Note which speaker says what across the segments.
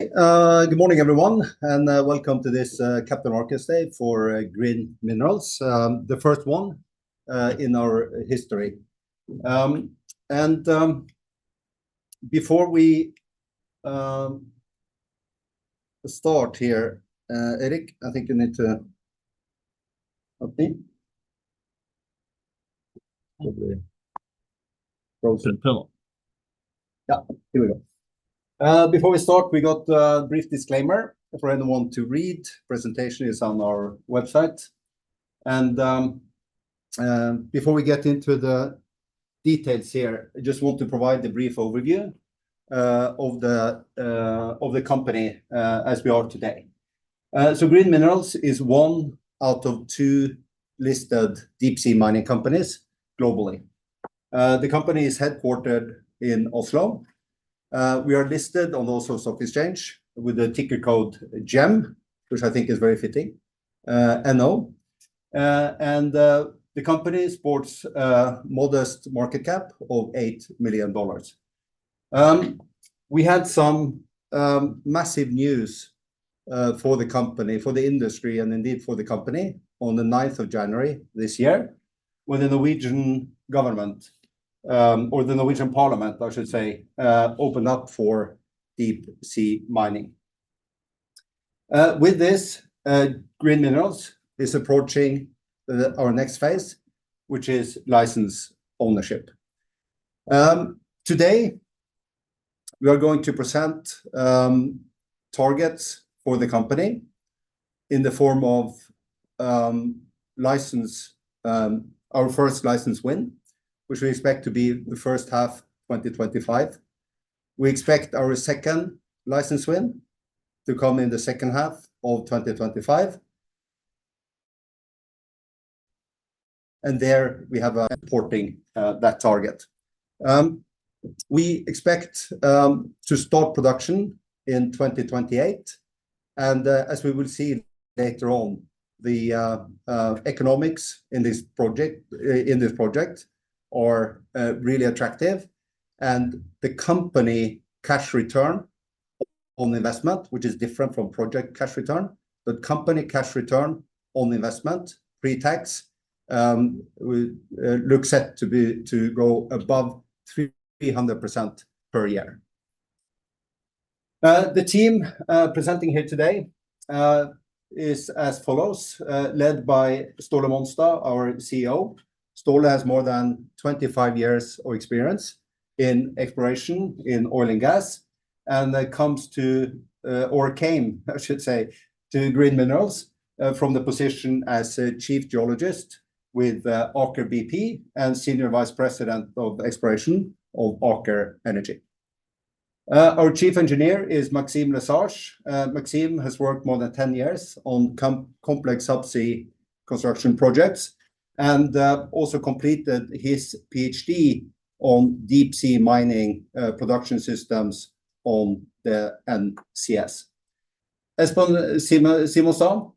Speaker 1: Good morning, everyone, and welcome to this Capital Markets Day for Green Minerals. The first one in our history. And before we start here, Eric, I think you need to update.
Speaker 2: Probably. Frozen pillow.
Speaker 1: Yeah, here we go. Before we start, we got a brief disclaimer for anyone to read presentation is on our website. Before we get into the details here, I just want to provide a brief overview of the company as we are today. So Green Minerals is one out of two listed deep-sea mining companies globally. The company is headquartered in Oslo. We are listed on Oslo Stock Exchange with the ticker code GEM, which I think is very fitting, no. The company supports a modest market cap of $8 million. We had some massive news for the company, for the industry, and indeed for the company on the ninth of January this year, when the Norwegian government, or the Norwegian Parliament, I should say, opened up for deep-sea mining. With this, Green Minerals is approaching the, our next phase, which is license ownership. Today, we are going to present targets for the company in the form of, license our first license win, which we expect to be the first half 2025. We expect our second license win to come in the second half of 2025. And there we have a important that target. We expect to start production in 2028, and, as we will see later on, the economics in this project, in this project are really attractive. The company cash return on investment, which is different from project cash return, but company cash return on investment, pre-tax, looks set to be, to go above 300% per year. The team presenting here today is as follows: led by Ståle Monstad, our CEO. Ståle has more than 25 years of experience in exploration in oil and gas, and comes to, or came, I should say, to Green Minerals from the position as Chief Geologist with Aker BP and Senior Vice President of Exploration of Aker Energy. Our Chief Engineer is Maxime Lesage. Maxime has worked more than 10 years on complex subsea construction projects and also completed his PhD on deep-sea mining production systems on the NCS. Espen Simonstad,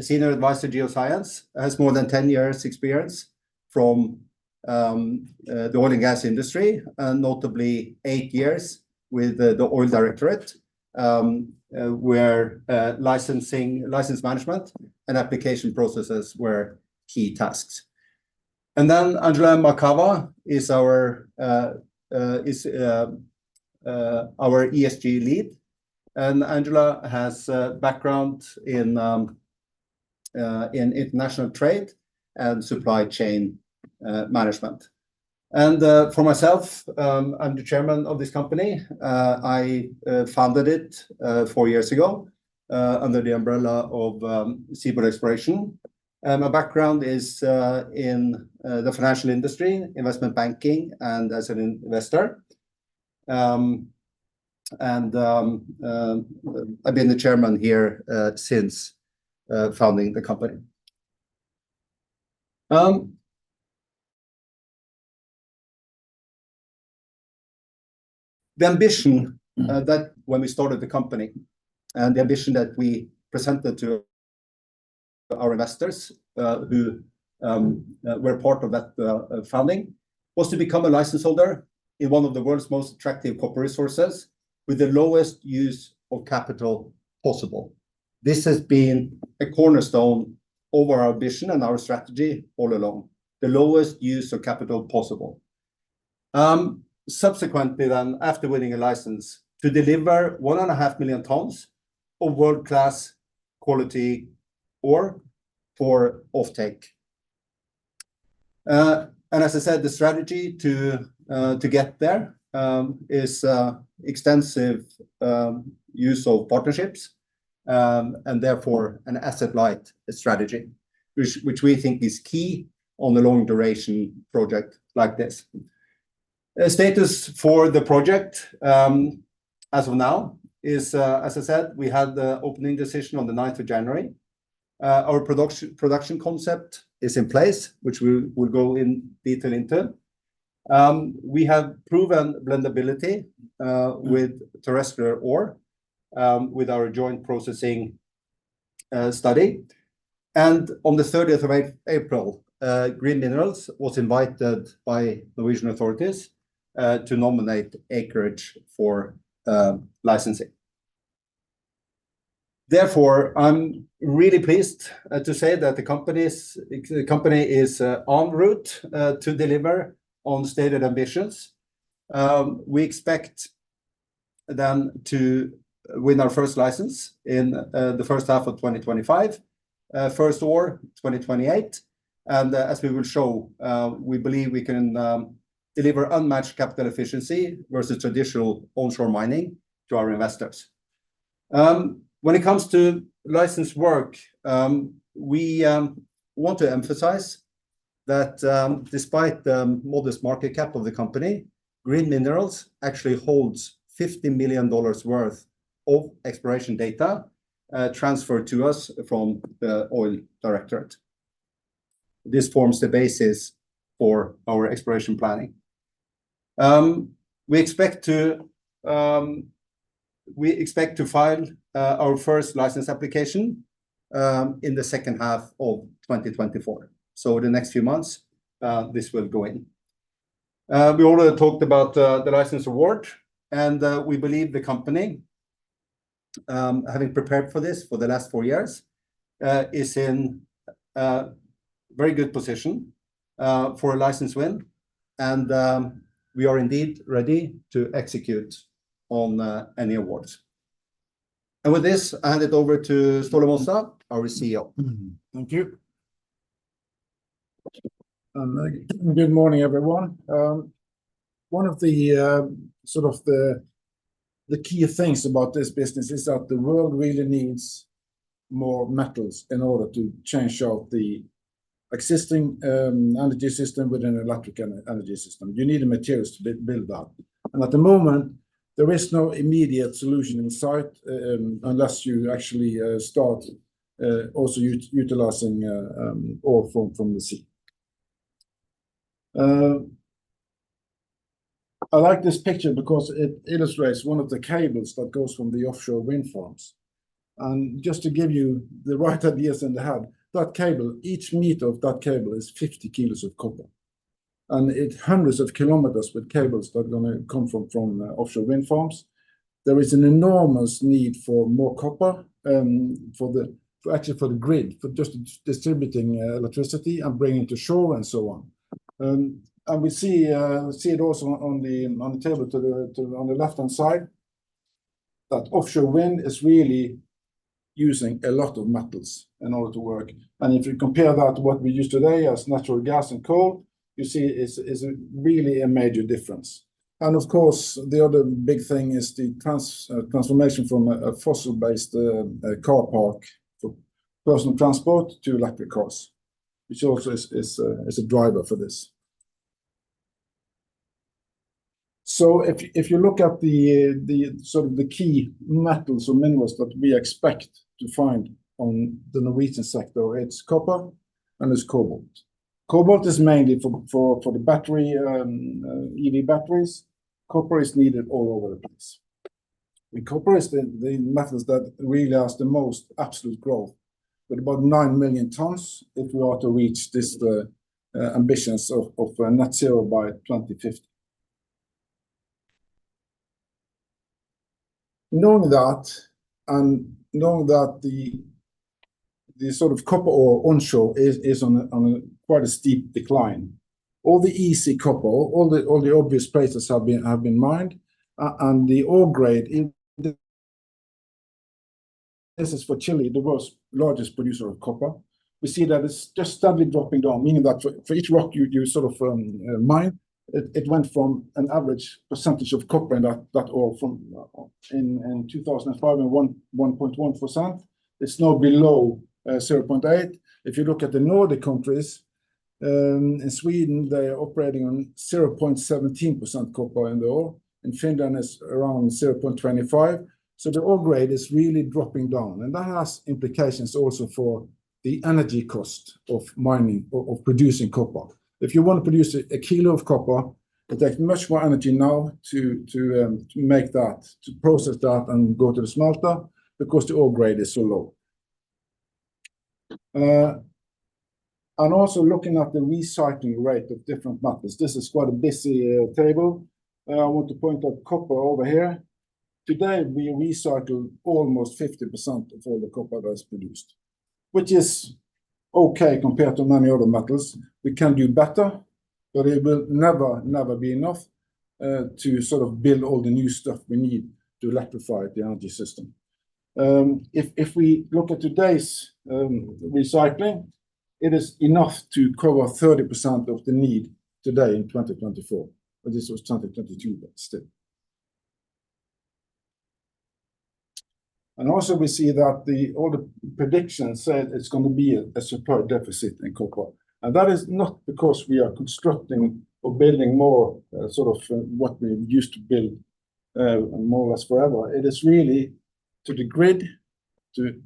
Speaker 1: Senior Advisor Geoscience, has more than 10 years' experience from the oil and gas industry, notably eight years with the Oil Directorate, where license management, and application processes were key tasks. And then Angela Maekawa is our ESG lead, and Angela has a background in international trade and supply chain management. And for myself, I'm the chairman of this company. I founded it four years ago under the umbrella of SeaBird Exploration. My background is in the financial industry, investment banking, and as an investor. And I've been the chairman here since founding the company. The ambition that when we started the company, and the ambition that we presented to our investors, who were part of that founding, was to become a license holder in one of the world's most attractive copper resources with the lowest use of capital possible. This has been a cornerstone over our ambition and our strategy all along, the lowest use of capital possible. Subsequently, then, after winning a license, to deliver 1.5 million tons of world-class quality ore for off-take. And as I said, the strategy to get there is extensive use of partnerships, and therefore an asset-light strategy, which we think is key on the long-duration project like this. Status for the project, as of now, is, as I said, we had the opening decision on the ninth of January. Our production concept is in place, which we will go in detail into. We have proven blendability with terrestrial ore with our joint processing study. And on the 30th of April, Green Minerals was invited by Norwegian authorities to nominate acreage for licensing. Therefore, I'm really pleased to say that the company is on route to deliver on stated ambitions. We expect then to win our first license in the first half of twenty twenty-five, first ore twenty twenty-eight. And as we will show, we believe we can deliver unmatched capital efficiency versus traditional onshore mining to our investors. When it comes to license work, we want to emphasize that, despite the modest market cap of the company, Green Minerals actually holds $50 million worth of exploration data, transferred to us from the oil directorate. This forms the basis for our exploration planning. We expect to file our first license application in the second half of 2024. So in the next few months, this will go in. We already talked about the license award, and we believe the company, having prepared for this for the last four years, is in a very good position for a license win. And we are indeed ready to execute on any awards. And with this, I hand it over to Ståle Monstad, our CEO.
Speaker 3: Thank you. Good morning, everyone. One of the key things about this business is that the world really needs more metals in order to change out the existing energy system with an electric energy system. You need the materials to build that. And at the moment, there is no immediate solution in sight, unless you actually start also utilizing ore from the sea. I like this picture because it illustrates one of the cables that goes from the offshore wind farms. And just to give you the right ideas in the head, that cable, each meter of that cable is 50 kilos of copper, and it's hundreds of kilometers with cables that are gonna come from offshore wind farms. There is an enormous need for more copper, actually, for the grid, for just distributing electricity and bringing it to shore, and so on. And we see it also on the table on the left-hand side, that offshore wind is really using a lot of metals in order to work. And if you compare that to what we use today as natural gas and coal, you see it's a really major difference. And of course, the other big thing is the transformation from a fossil-based car park for personal transport to electric cars, which also is a driver for this. So if you look at the sort of the key metals or minerals that we expect to find on the Norwegian sector, it's copper and it's cobalt. Cobalt is mainly for the battery, EV batteries. Copper is needed all over the place. The copper is the metals that really has the most absolute growth, with about 9 million tons if we are to reach this ambitions of net zero by 2050. Knowing that, and knowing that the sort of copper ore onshore is on a quite a steep decline, all the easy copper, all the obvious places have been mined. And the ore grade in—this is for Chile, the world's largest producer of copper. We see that it's just steadily dropping down, meaning that for each rock you do sort of mine, it went from an average percentage of copper in that ore from in 2005 and 1 1.1%. It's now below 0.8. If you look at the Nordic countries in Sweden, they are operating on 0.17% copper in the ore, and Finland is around 0.25. So the ore grade is really dropping down, and that has implications also for the energy cost of mining or producing copper. If you want to produce a kilo of copper, it takes much more energy now to make that, to process that and go to the smelter, because the ore grade is so low. And also looking at the recycling rate of different metals. This is quite a busy table. I want to point out copper over here. Today, we recycle almost 50% of all the copper that's produced, which is okay compared to many other metals. We can do better, but it will never, never be enough to sort of build all the new stuff we need to electrify the energy system. If we look at today's recycling, it is enough to cover 30% of the need today in 2024, but this was 2022, but still. And also we see that all the predictions said it's going to be a supply deficit in copper. And that is not because we are constructing or building more sort of what we used to build more or less forever. It is really to the grid, to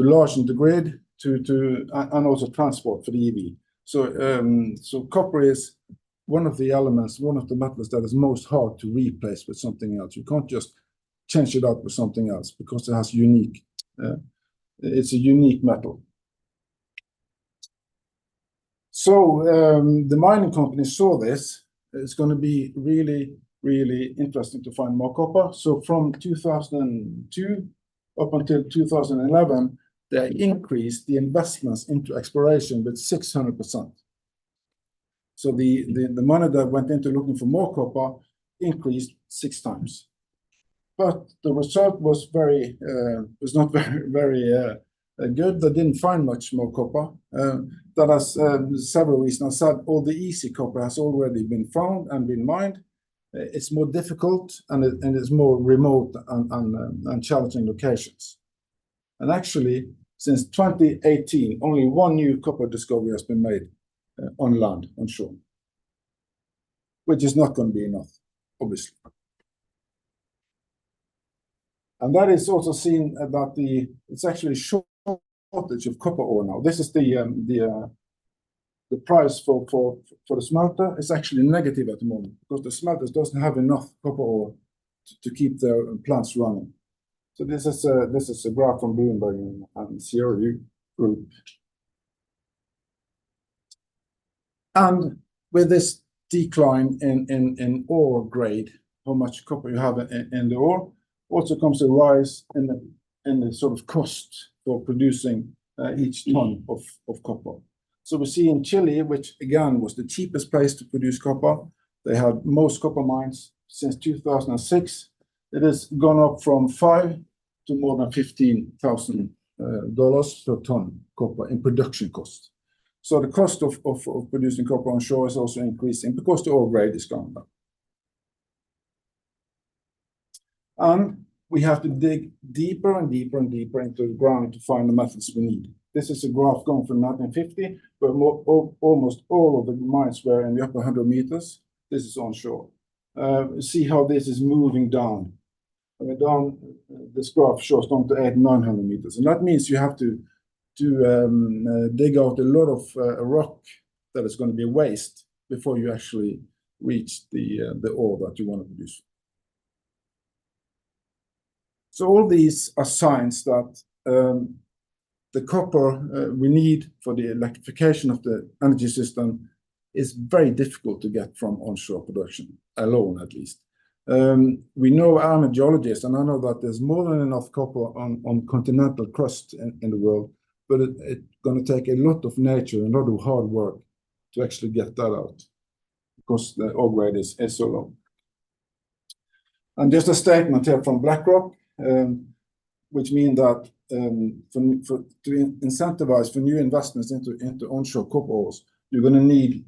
Speaker 3: enlarge the grid, and also transport for the EV. So copper is one of the elements, one of the metals that is most hard to replace with something else. You can't just change it up with something else because it has unique, it's a unique metal. So, the mining company saw this. It's gonna be really, really interesting to find more copper. So from 2002 up until 2011, they increased the investments into exploration with 600%. So the money that went into looking for more copper increased six times. But the result was not very good. They didn't find much more copper. That has several reasons. I said, all the easy copper has already been found and been mined. It's more difficult, and it's more remote and challenging locations. And actually, since 2018, only one new copper discovery has been made, on land, onshore, which is not gonna be enough, obviously. And that is also seen. It's actually a shortage of copper ore now. This is the price for the smelter. It's actually negative at the moment because the smelters doesn't have enough copper ore to keep the plants running. So this is a graph from Bloomberg and CRU Group. And with this decline in ore grade, how much copper you have in the ore, also comes a rise in the sort of cost for producing each ton of copper. So we see in Chile, which again was the cheapest place to produce copper, they had most copper mines. Since 2006, it has gone up from $5 to more than $15,000 per ton copper in production cost. So the cost of producing copper onshore is also increasing because the ore grade is going down. And we have to dig deeper and deeper, and deeper into the ground to find the metals we need. This is a graph going from 1950, where almost all of the mines were in the upper 100 meters. This is onshore. See how this is moving down. And down, this graph shows down to 800-900 meters, and that means you have to dig out a lot of rock that is gonna be waste before you actually reach the ore that you wanna produce. So all these are signs that the copper we need for the electrification of the energy system is very difficult to get from onshore production, alone, at least. We know, I'm a geologist, and I know that there's more than enough copper on continental crust in the world, but it gonna take a lot of nature, a lot of hard work to actually get that out, 'cause the ore grade is so low. There's a statement here from BlackRock, which mean that, for to incentivize for new investments into onshore copper ores, you're gonna need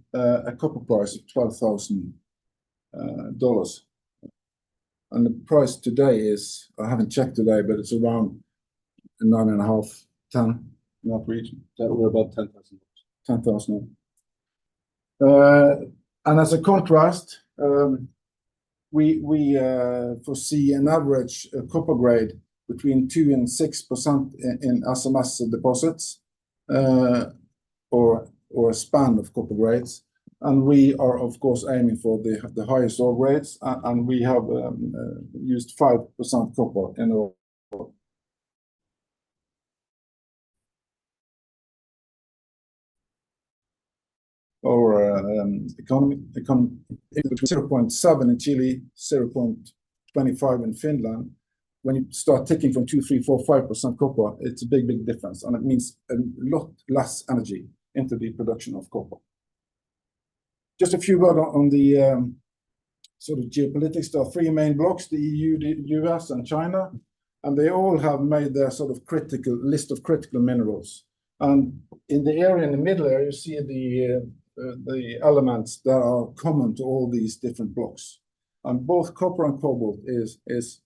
Speaker 3: a copper price of $12,000. And the price today is, I haven't checked today, but it's around $9.5-$10, in that region. That were about $10,000. $10,000. And as a contrast, we foresee an average copper grade between 2% and 6% in SMS deposits, or a span of copper grades. We are, of course, aiming for the highest ore grades, and we have used 5% copper in ore. Our economy become between 0.7% in Chile, 0.25% in Finland. When you start taking from 2, 3, 4, 5% copper, it's a big, big difference, and it means lot less energy into the production of copper. Just a few word on the sort of geopolitics. There are three main blocks, the E.U., the U.S. and China, and they all have made their sort of critical list of critical minerals. And in the area, in the middle area, you see the elements that are common to all these different blocks. And both copper and cobalt is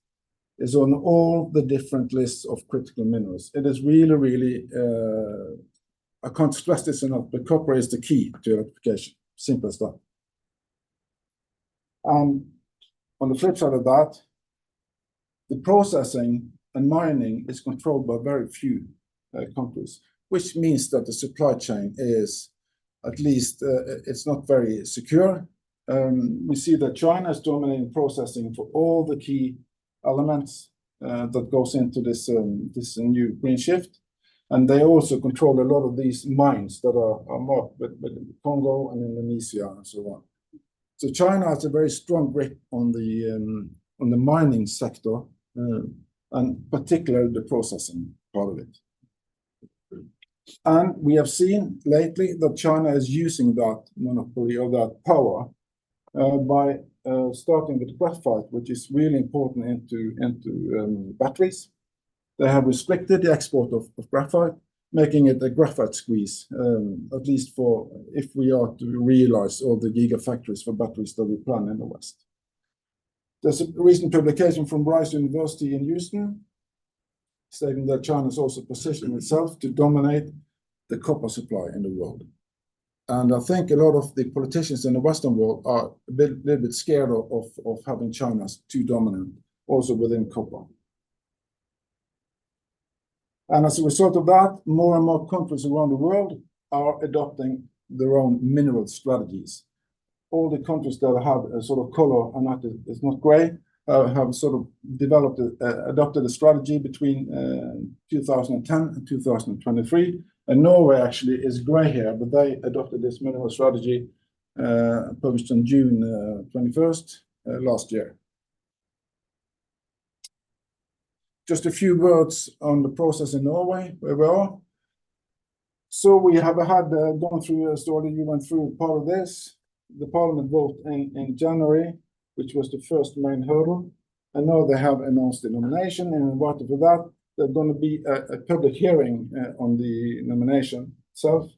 Speaker 3: on all the different lists of critical minerals. It is really, really, I can't stress this enough, but copper is the key to electrification. Simple as that. On the flip side of that, the processing and mining is controlled by very few countries, which means that the supply chain is, at least, it's not very secure. We see that China is dominating processing for all the key elements that goes into this, this new green shift, and they also control a lot of these mines that are marked with Congo and Indonesia and so on. So China has a very strong grip on the, on the mining sector, and particularly the processing part of it. And we have seen lately that China is using that monopoly or that power, by starting with graphite, which is really important into batteries. They have restricted the export of graphite, making it a graphite squeeze, at least for if we are to realize all the gigafactories for batteries that we plan in the West. There's a recent publication from Rice University in Houston, stating that China is also positioning itself to dominate the copper supply in the world. And I think a lot of the politicians in the Western world are a little bit scared of having China too dominant, also within copper... And as a result of that, more and more countries around the world are adopting their own mineral strategies. All the countries that have a sort of color and not gray have sort of adopted a strategy between 2010 and 2023. And Norway actually is gray here, but they adopted this mineral strategy, published on June 21 last year. Just a few words on the process in Norway, where we are. So we have had gone through a story. We went through part of this. The parliament vote in January, which was the first main hurdle, and now they have announced the nomination, and invited to that. There's gonna be a public hearing on the nomination itself,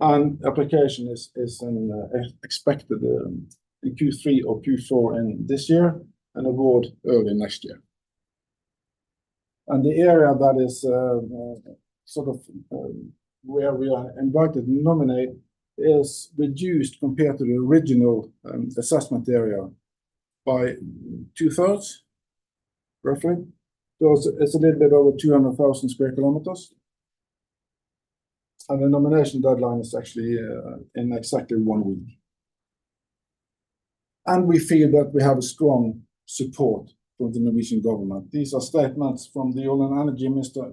Speaker 3: and application is expected in Q3 or Q4 in this year, and award early next year. And the area that is sort of where we are invited to nominate is reduced compared to the original assessment area by two-thirds, roughly. So it's a little bit over 200,000 square kilometers. And the nomination deadline is actually in exactly one week. We feel that we have a strong support from the Norwegian government. These are statements from the Oil and Energy Minister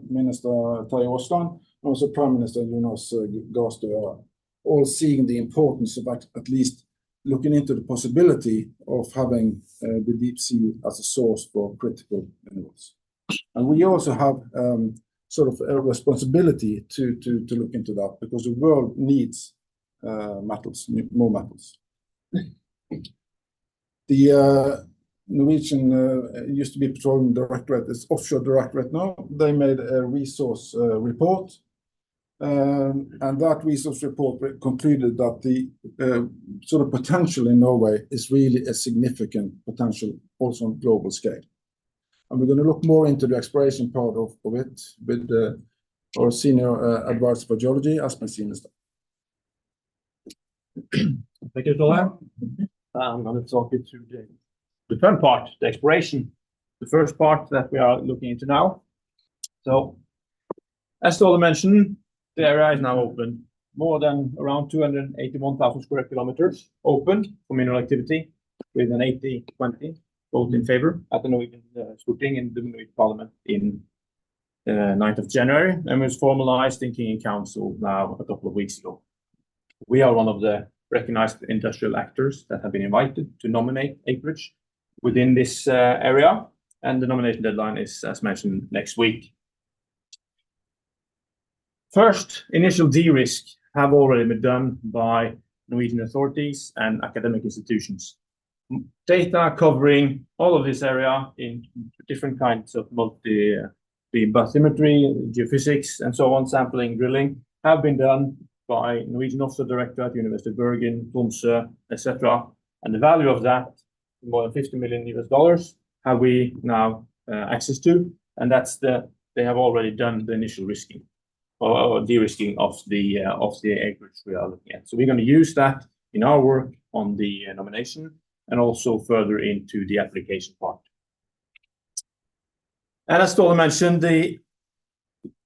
Speaker 3: Terje Aasland, also Prime Minister Jonas G. Støre, all seeing the importance of at least looking into the possibility of having the deep sea as a source for critical minerals. And we also have sort of a responsibility to look into that, because the world needs metals, more metals. The Norwegian used to be Petroleum Directorate, is Offshore Directorate now. They made a resource report, and that resource report concluded that the sort of potential in Norway is really a significant potential also on global scale. And we're gonna look more into the exploration part of it with our senior advisor for geology, Espen Simonstad.
Speaker 4: Thank you, Ståle. I'm gonna talk you through the third part, the exploration, the first part that we are looking into now. So as Ståle mentioned, the area is now open. More than around 281,000 square kilometers opened for mineral activity with an 80-20 vote in favor at the Norwegian Storting in the Norwegian Parliament in ninth of January, and was formalized in King in Council now a couple of weeks ago. We are one of the recognized industrial actors that have been invited to nominate acreage within this area, and the nomination deadline is, as mentioned, next week. First, initial de-risk have already been done by Norwegian authorities and academic institutions. Data covering all of this area in different kinds of multi-beam bathymetry, geophysics, and so on, sampling, drilling, have been done by Norwegian Offshore Directorate, University of Bergen, University of Tromsø, etc. And the value of that, more than $50 million, have we now access to, and that's - they have already done the initial risking or de-risking of the acreage we are looking at. So we're gonna use that in our work on the nomination and also further into the application part. And as Ståle mentioned,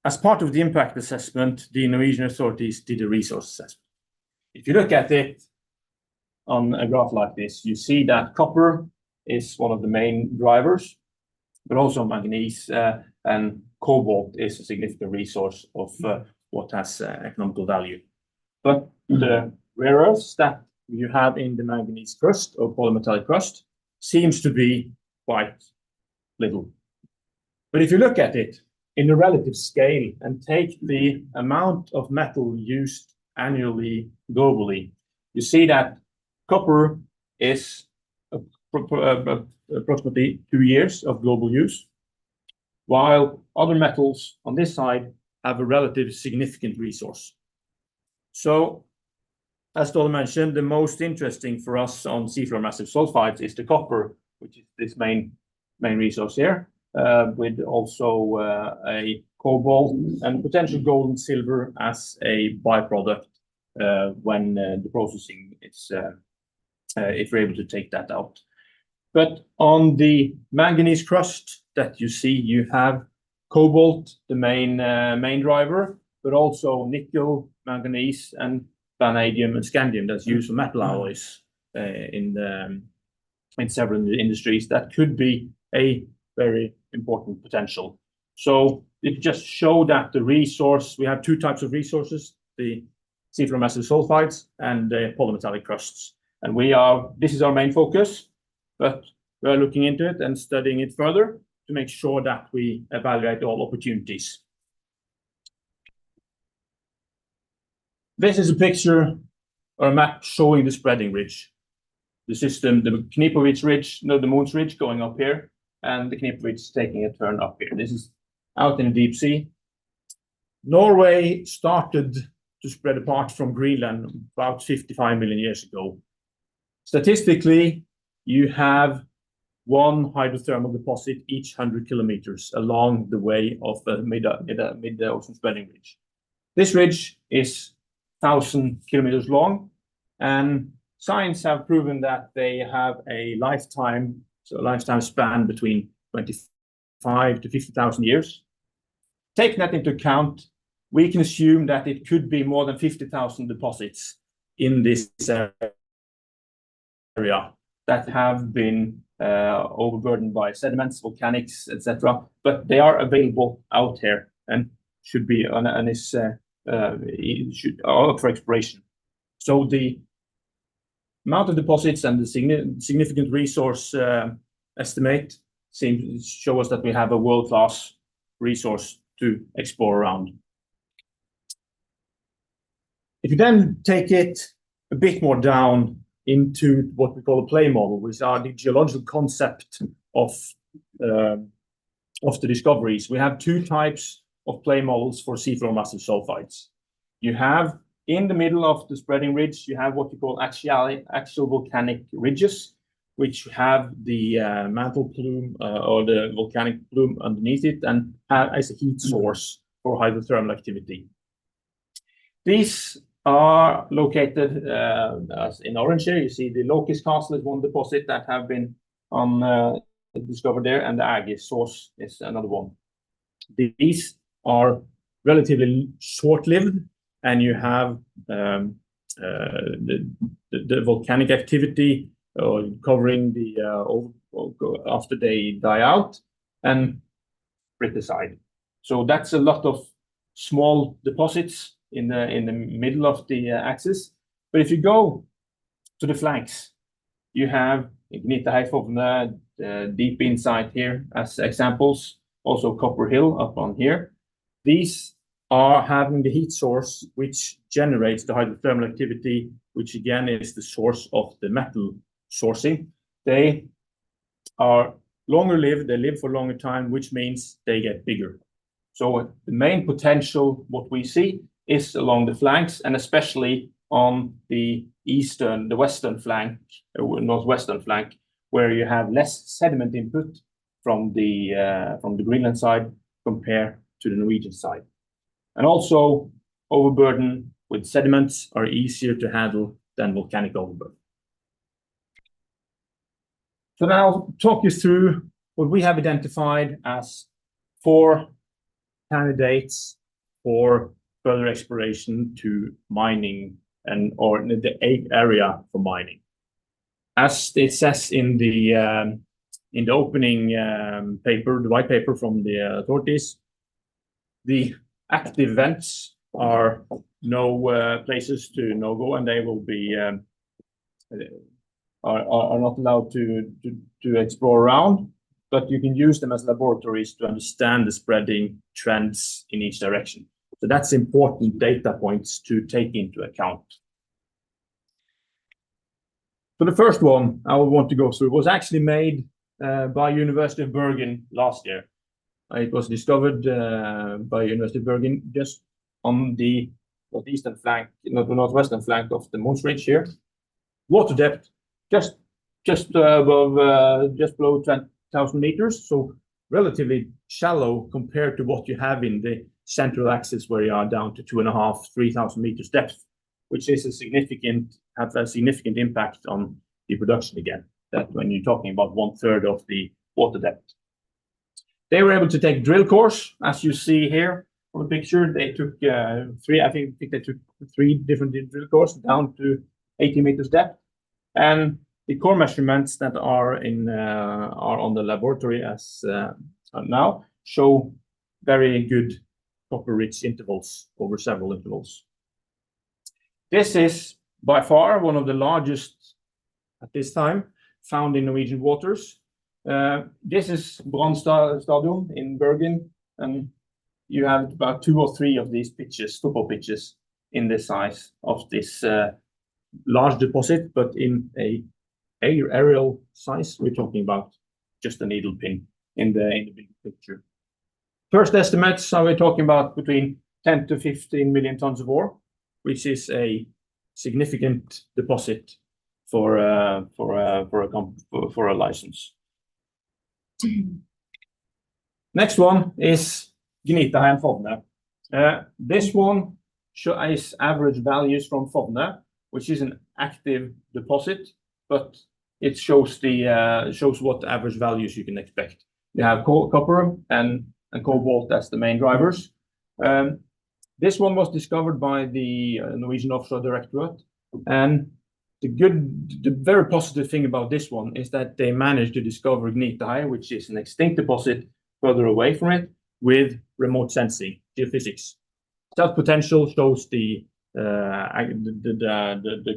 Speaker 4: as part of the impact assessment, the Norwegian authorities did a resource assessment. If you look at it on a graph like this, you see that copper is one of the main drivers, but also manganese, and cobalt is a significant resource of what has economical value. But the rare earths that you have in the manganese crust or polymetallic crust seems to be quite little. But if you look at it in a relative scale and take the amount of metal used annually, globally, you see that copper is approximately two years of global use, while other metals on this side have a relatively significant resource. So, as Ståle mentioned, the most interesting for us on seafloor massive sulfides is the copper, which is this main, main resource here, with also a cobalt and potentially gold and silver as a by-product, when the processing is, if we're able to take that out. But on the manganese crust that you see, you have cobalt, the main, main driver, but also nickel, manganese, and vanadium, and scandium, that's used for metal alloys, in the, in several industries, that could be a very important potential. So it just show that the resource, we have two types of resources, the seafloor massive sulfides and the polymetallic crusts. And we are this is our main focus, but we are looking into it and studying it further to make sure that we evaluate all opportunities. This is a picture or a map showing the spreading ridge, the system, the Knipovich Ridge, no, the Mohns Ridge going up here, and the Knipovich taking a turn up here. This is out in the deep sea. Norway started to spread apart from Greenland about 55 million years ago. Statistically, you have one hydrothermal deposit each 100 km along the way of the mid-ocean spreading ridge. This ridge is 1,000 km long, and science have proven that they have a lifetime, so a lifespan between 25-50,000 years. Taking that into account, we can assume that it could be more than 50,000 deposits in this area that have been overburdened by sediments, volcanics, et cetera. But they are available out there and should be on, and is, it should- are up for exploration. So the amount of deposits and the significant resource estimate seem to show us that we have a world-class resource to explore around. If you then take it a bit more down into what we call a play model, which are the geological concept of the discoveries. We have two types of play models for seafloor massive sulfides. You have in the middle of the spreading ridge, you have what you call axial volcanic ridges, which have the mantle plume or the volcanic plume underneath it, and have as a heat source for hydrothermal activity. These are located as in orange here. You see the Loki's Castle is one deposit that have been discovered there, and the Aegir's Source is another one. These are relatively short-lived, and you have the volcanic activity covering after they die out and spread aside. So that's a lot of small deposits in the middle of the axis. But if you go to the flanks, you have Gnitahei and Fåvne deep inside here as examples. Also Copper Hill up on here. These are having the heat source, which generates the hydrothermal activity, which again, is the source of the metal sourcing. They are longer lived. They live for a longer time, which means they get bigger. So the main potential, what we see is along the flanks, and especially on the eastern, the western flank, northwestern flank, where you have less sediment input from the, from the Greenland side compared to the Norwegian side. And also overburden with sediments are easier to handle than volcanic overburden. So now I'll talk you through what we have identified as four candidates for further exploration to mining and, or the area for mining. As it says in the opening paper, the white paper from the authorities, the active vents are no places to no go, and they are not allowed to explore around, but you can use them as laboratories to understand the spreading trends in each direction. So that's important data points to take into account. So the first one I want to go through was actually made by University of Bergen last year. It was discovered by University of Bergen, just on the eastern flank, northwestern flank of the Mohns Ridge here. Water depth, just above, just below 10,000 meters. So relatively shallow compared to what you have in the central axis, where you are down to 2.5-3,000 meters depth, which has a significant impact on the production again, that when you're talking about one third of the water depth. They were able to take drill cores, as you see here on the picture. They took three, I think they took three different drill cores down to 80 meters depth. And the core measurements that are in the laboratory now show very good copper-rich intervals over several intervals. This is by far one of the largest at this time found in Norwegian waters. This is Brann Stadion in Bergen, and you have about two or three of these pitches, football pitches, in the size of this large deposit, but in an aerial size, we're talking about just a needle pin in the big picture. First estimates are we're talking about between 10-15 million tons of ore, which is a significant deposit for a license. Next one is Gnitahei and Fåvne. This one shows average values from Fåvne, which is an active deposit, but it shows what average values you can expect. You have copper and cobalt, that's the main drivers. This one was discovered by the Norwegian Offshore Directorate, and the very positive thing about this one is that they managed to discover Gnitahei, which is an extinct deposit further away from it, with remote sensing geophysics. That potential shows the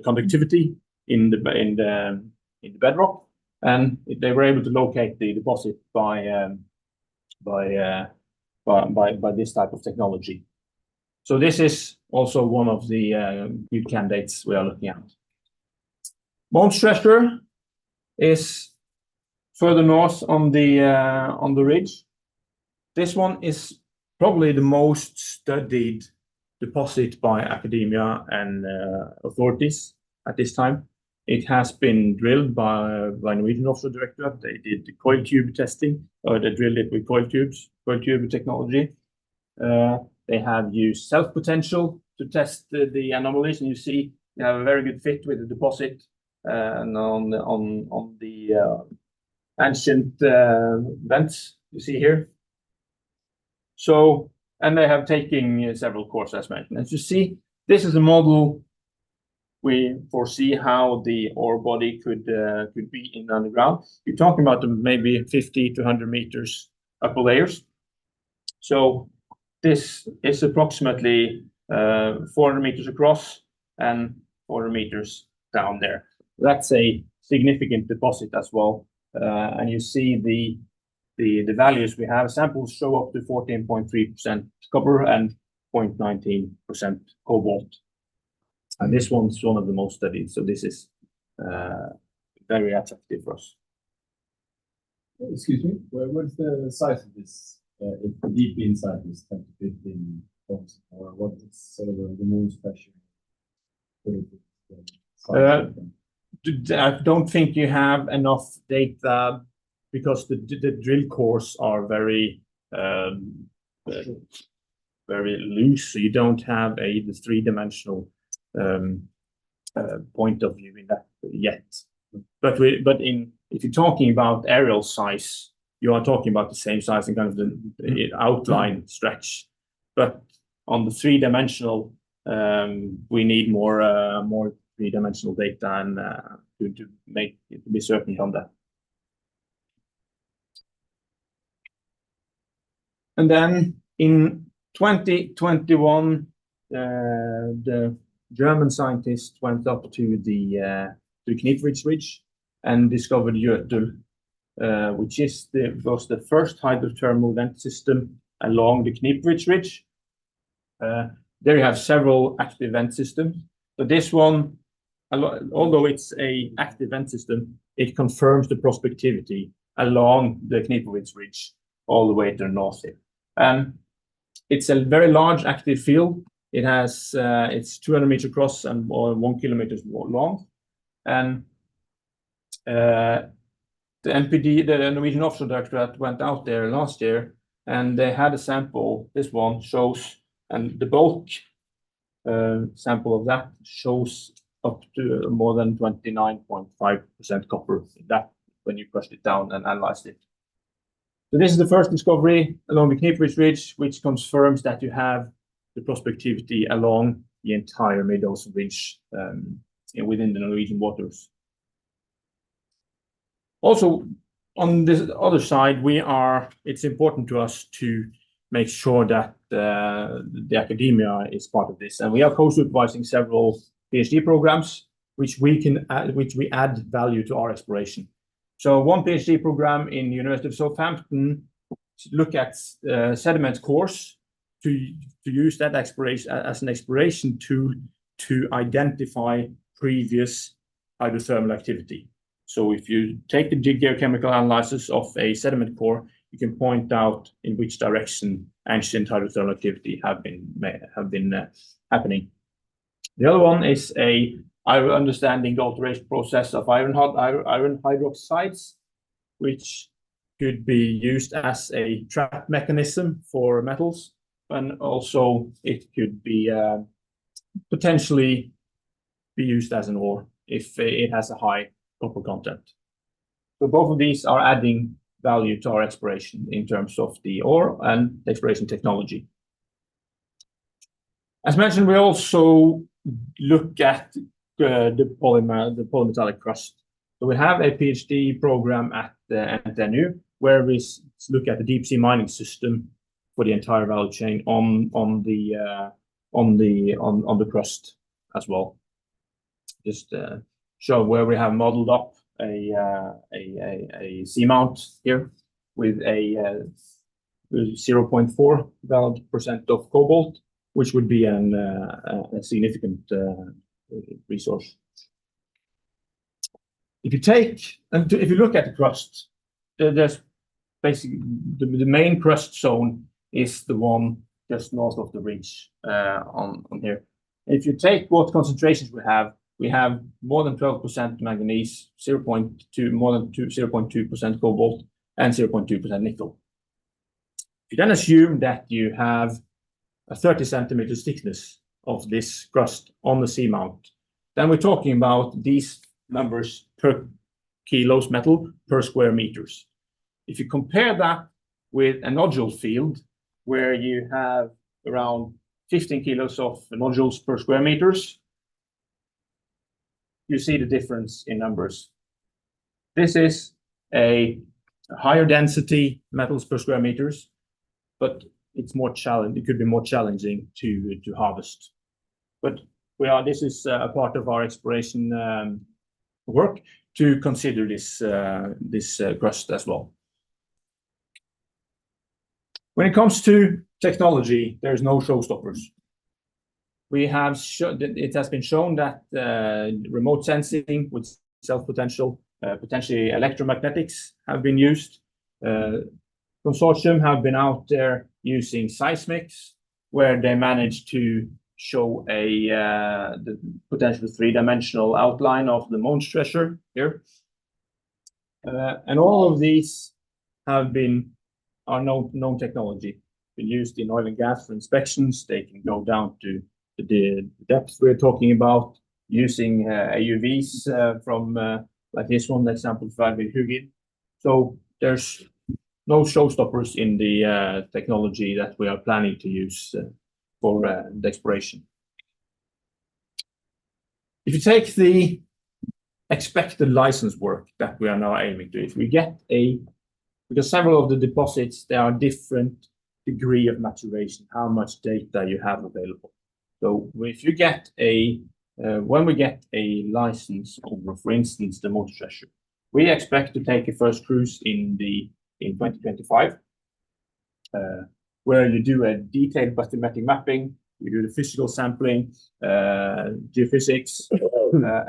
Speaker 4: conductivity in the bedrock, and they were able to locate the deposit by this type of technology. So this is also one of the good candidates we are looking at. Mohns Treasure is further north on the ridge. This one is probably the most studied deposit by academia and authorities at this time. It has been drilled by Norwegian Offshore Directorate. They did the coil tube testing, or they drilled it with coil tubes, coil tube technology. They have used self-potential to test the anomalies, and you see they have a very good fit with the deposit, and on the ancient vents you see here. They have taken several core assessments. As you see, this is a model we foresee how the ore body could be in the underground. You're talking about maybe 50-100 meters upper layers. So this is approximately 400 meters across and 400 meters down there. That's a significant deposit as well. You see the values we have. Samples show up to 14.3% copper and 0.19% cobalt, and this one's one of the most studied, so this is very attractive for us.
Speaker 5: Excuse me, what is the size of this, the deposit inside this 10-15 box? Or what is sort of the most special?
Speaker 4: I don't think you have enough data, because the drill cores are very, very loose, so you don't have a three-dimensional point of view in that yet. But in, if you're talking about aerial size, you are talking about the same size and kind of the outline stretch. But on the three-dimensional, we need more, more three-dimensional data and to make, to be certain on that. And then in 2021, the German scientist went up to the Knipovich Ridge and discovered Gjøa, which is the, was the first hydrothermal vent system along the Knipovich Ridge. There you have several active vent systems, but this one, although it's an active vent system, it confirms the prospectivity along the Knipovich Ridge all the way to the north here. And it's a very large active field. It has, it's 200 meters across and 1 kilometer long. And, the NPD, the Norwegian Offshore Directorate, went out there last year, and they had a sample. This one shows, and the bulk, sample of that shows up to more than 29.5% copper. That, when you crushed it down and analyzed it. So this is the first discovery along the Knipovich Ridge, which confirms that you have the prospectivity along the entire Mid-Ocean Ridge, within the Norwegian waters. Also, on the other side, we are, it's important to us to make sure that, the academia is part of this. And we are co-supervising several PhD programs, which we can add, which we add value to our exploration. So one PhD program in University of Southampton look at sediment cores to use that exploration as an exploration tool to identify previous hydrothermal activity. So if you take the geochemical analysis of a sediment core, you can point out in which direction ancient hydrothermal activity have been made, have been happening. The other one is a understanding the alteration process of iron hydroxides, which could be used as a trap mechanism for metals, and also it could be potentially be used as an ore if it has a high copper content. So both of these are adding value to our exploration in terms of the ore and the exploration technology. As mentioned, we also look at the polymetallic crust. So we have a PhD program at the NTNU, where we look at the deep sea mining system for the entire value chain on the crust as well. Just show where we have modeled up a seamount here with a 0.4 valid % of cobalt, which would be a significant resource. If you take and if you look at the crust, there's basically the main crust zone is the one just north of the ridge on here. If you take what concentrations we have, we have more than 12% manganese, 0.2, more than two, 0.2% cobalt, and 0.2% nickel. You then assume that you have a 30 cm thickness of this crust on the seamount. Then we're talking about these numbers per kilos metal per square meters. If you compare that with a nodule field, where you have around 15 kilos of nodules per square meters, you see the difference in numbers. This is a higher density metals per square meters, but it's more challenge, it could be more challenging to, to harvest. But we are, this is, a part of our exploration, work to consider this, this, crust as well. When it comes to technology, there's no showstoppers. We have shown, it has been shown that, remote sensing with self-potential, potentially electromagnetics have been used, consortium have been out there using seismic, where they managed to show a, the potential three-dimensional outline of the Mohns Treasure here. And all of these have been, are known, known technology, been used in oil and gas for inspections. They can go down to the depths we're talking about using AUVs from, like this one, example five with HUGIN. So there's no showstoppers in the technology that we are planning to use for the exploration. If you take the expected license work that we are now aiming to, if we get a—because several of the deposits, there are different degree of maturation, how much data you have available. So if you get a, when we get a license over, for instance, the Mohns Treasure, we expect to take a first cruise in the, in 2025, where you do a detailed bathymetric mapping, you do the physical sampling, geophysics,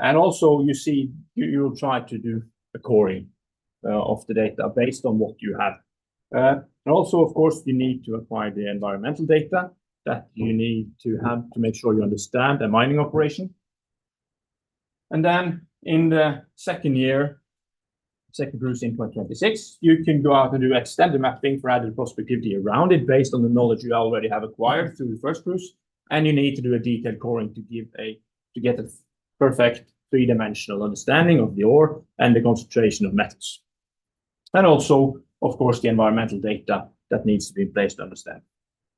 Speaker 4: and also you see, you, you'll try to do a coring of the data based on what you have. And also, of course, you need to acquire the environmental data that you need to have to make sure you understand the mining operation. And then in the second year, second cruise in 2026, you can go out and do extended mapping for added prospectivity around it based on the knowledge you already have acquired through the first cruise. And you need to do a detailed coring to get a perfect three-dimensional understanding of the ore and the concentration of metals. And also, of course, the environmental data that needs to be in place to understand.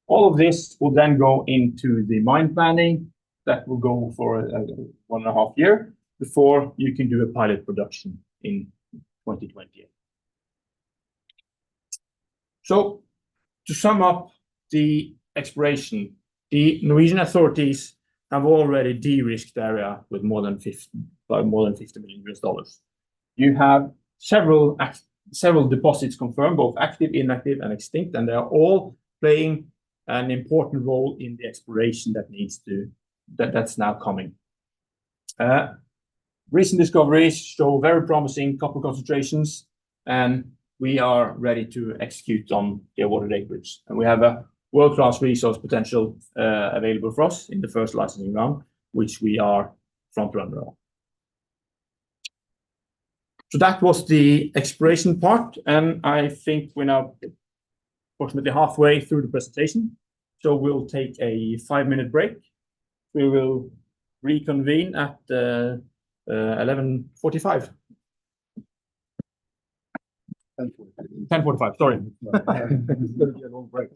Speaker 4: All of this will then go into the mine planning. That will go for one and a half year before you can do a pilot production in 2028. So to sum up the exploration, the Norwegian authorities have already de-risked the area with more than $50 million. You have several deposits confirmed, both active, inactive, and extinct, and they are all playing an important role in the exploration that's now coming. Recent discoveries show very promising copper concentrations, and we are ready to execute on the awarded acreage, and we have a world-class resource potential available for us in the first licensing round, which we are front runner on. So that was the exploration part, and I think we're now approximately halfway through the presentation, so we'll take a 5-minute break. We will reconvene at 11:45.
Speaker 1: 10:45.
Speaker 4: 10:45. Sorry.
Speaker 1: It's gonna be a long break.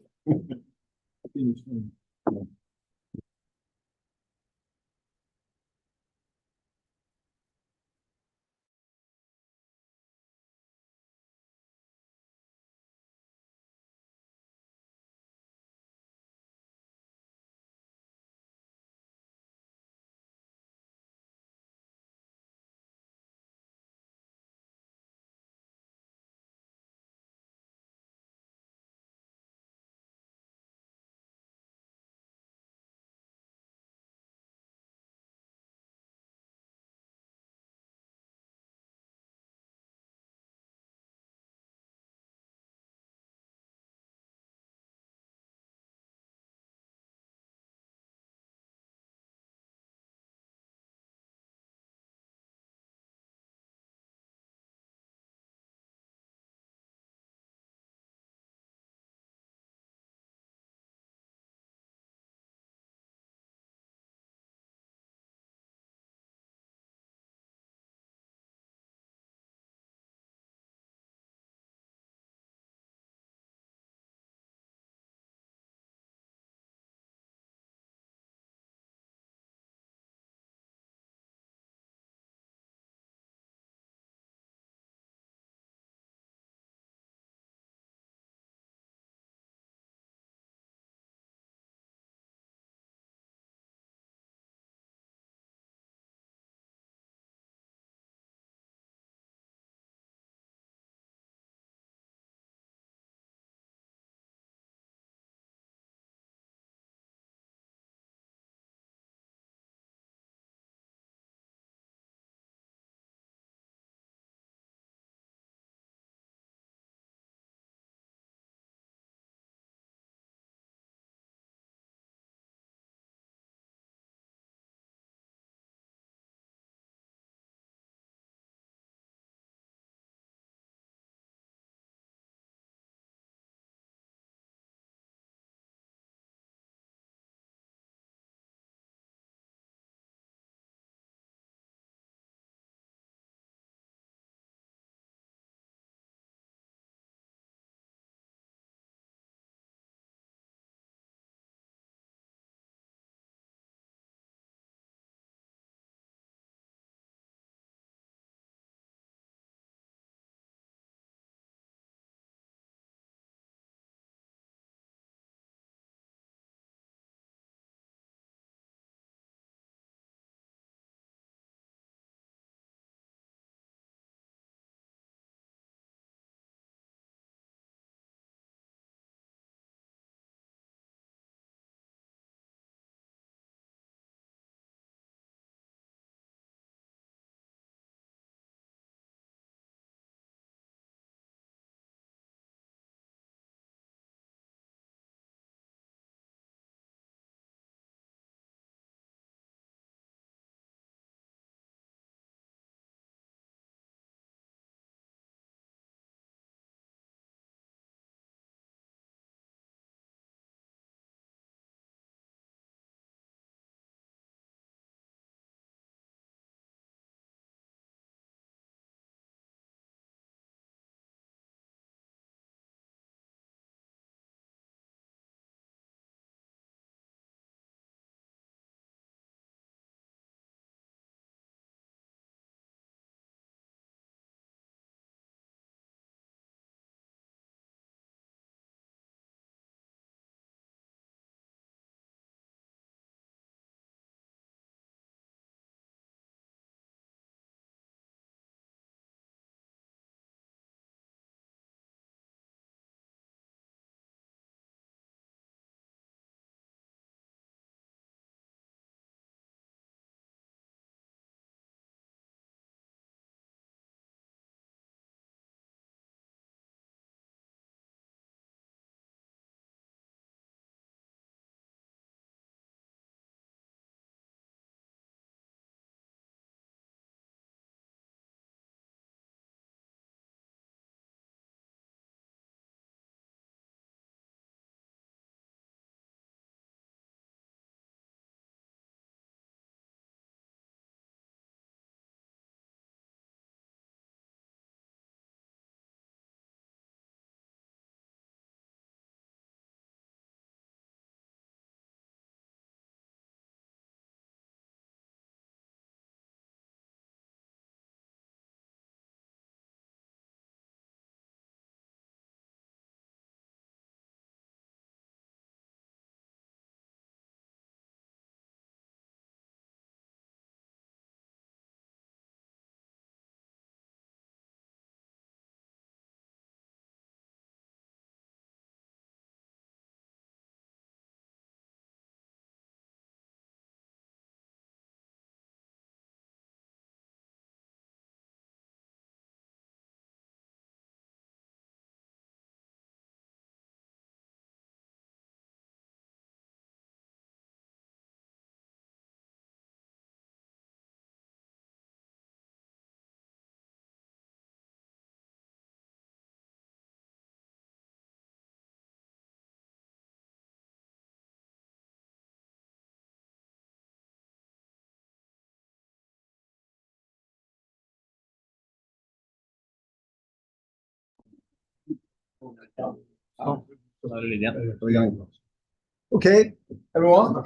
Speaker 1: Okay, everyone. I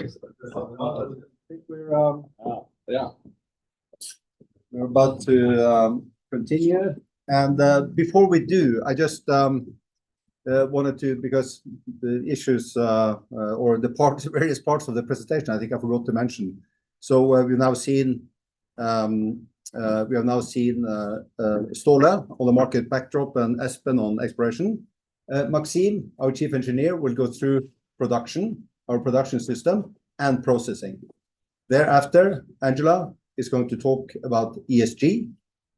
Speaker 1: think we're,
Speaker 6: Yeah.
Speaker 1: We're about to continue, and before we do, I just wanted to, because the issues or the parts, various parts of the presentation, I think I forgot to mention. So we have now seen Ståle on the market backdrop, and Espen on exploration. Maxime, our Chief Engineer, will go through production, our production system, and processing. Thereafter, Angela is going to talk about ESG,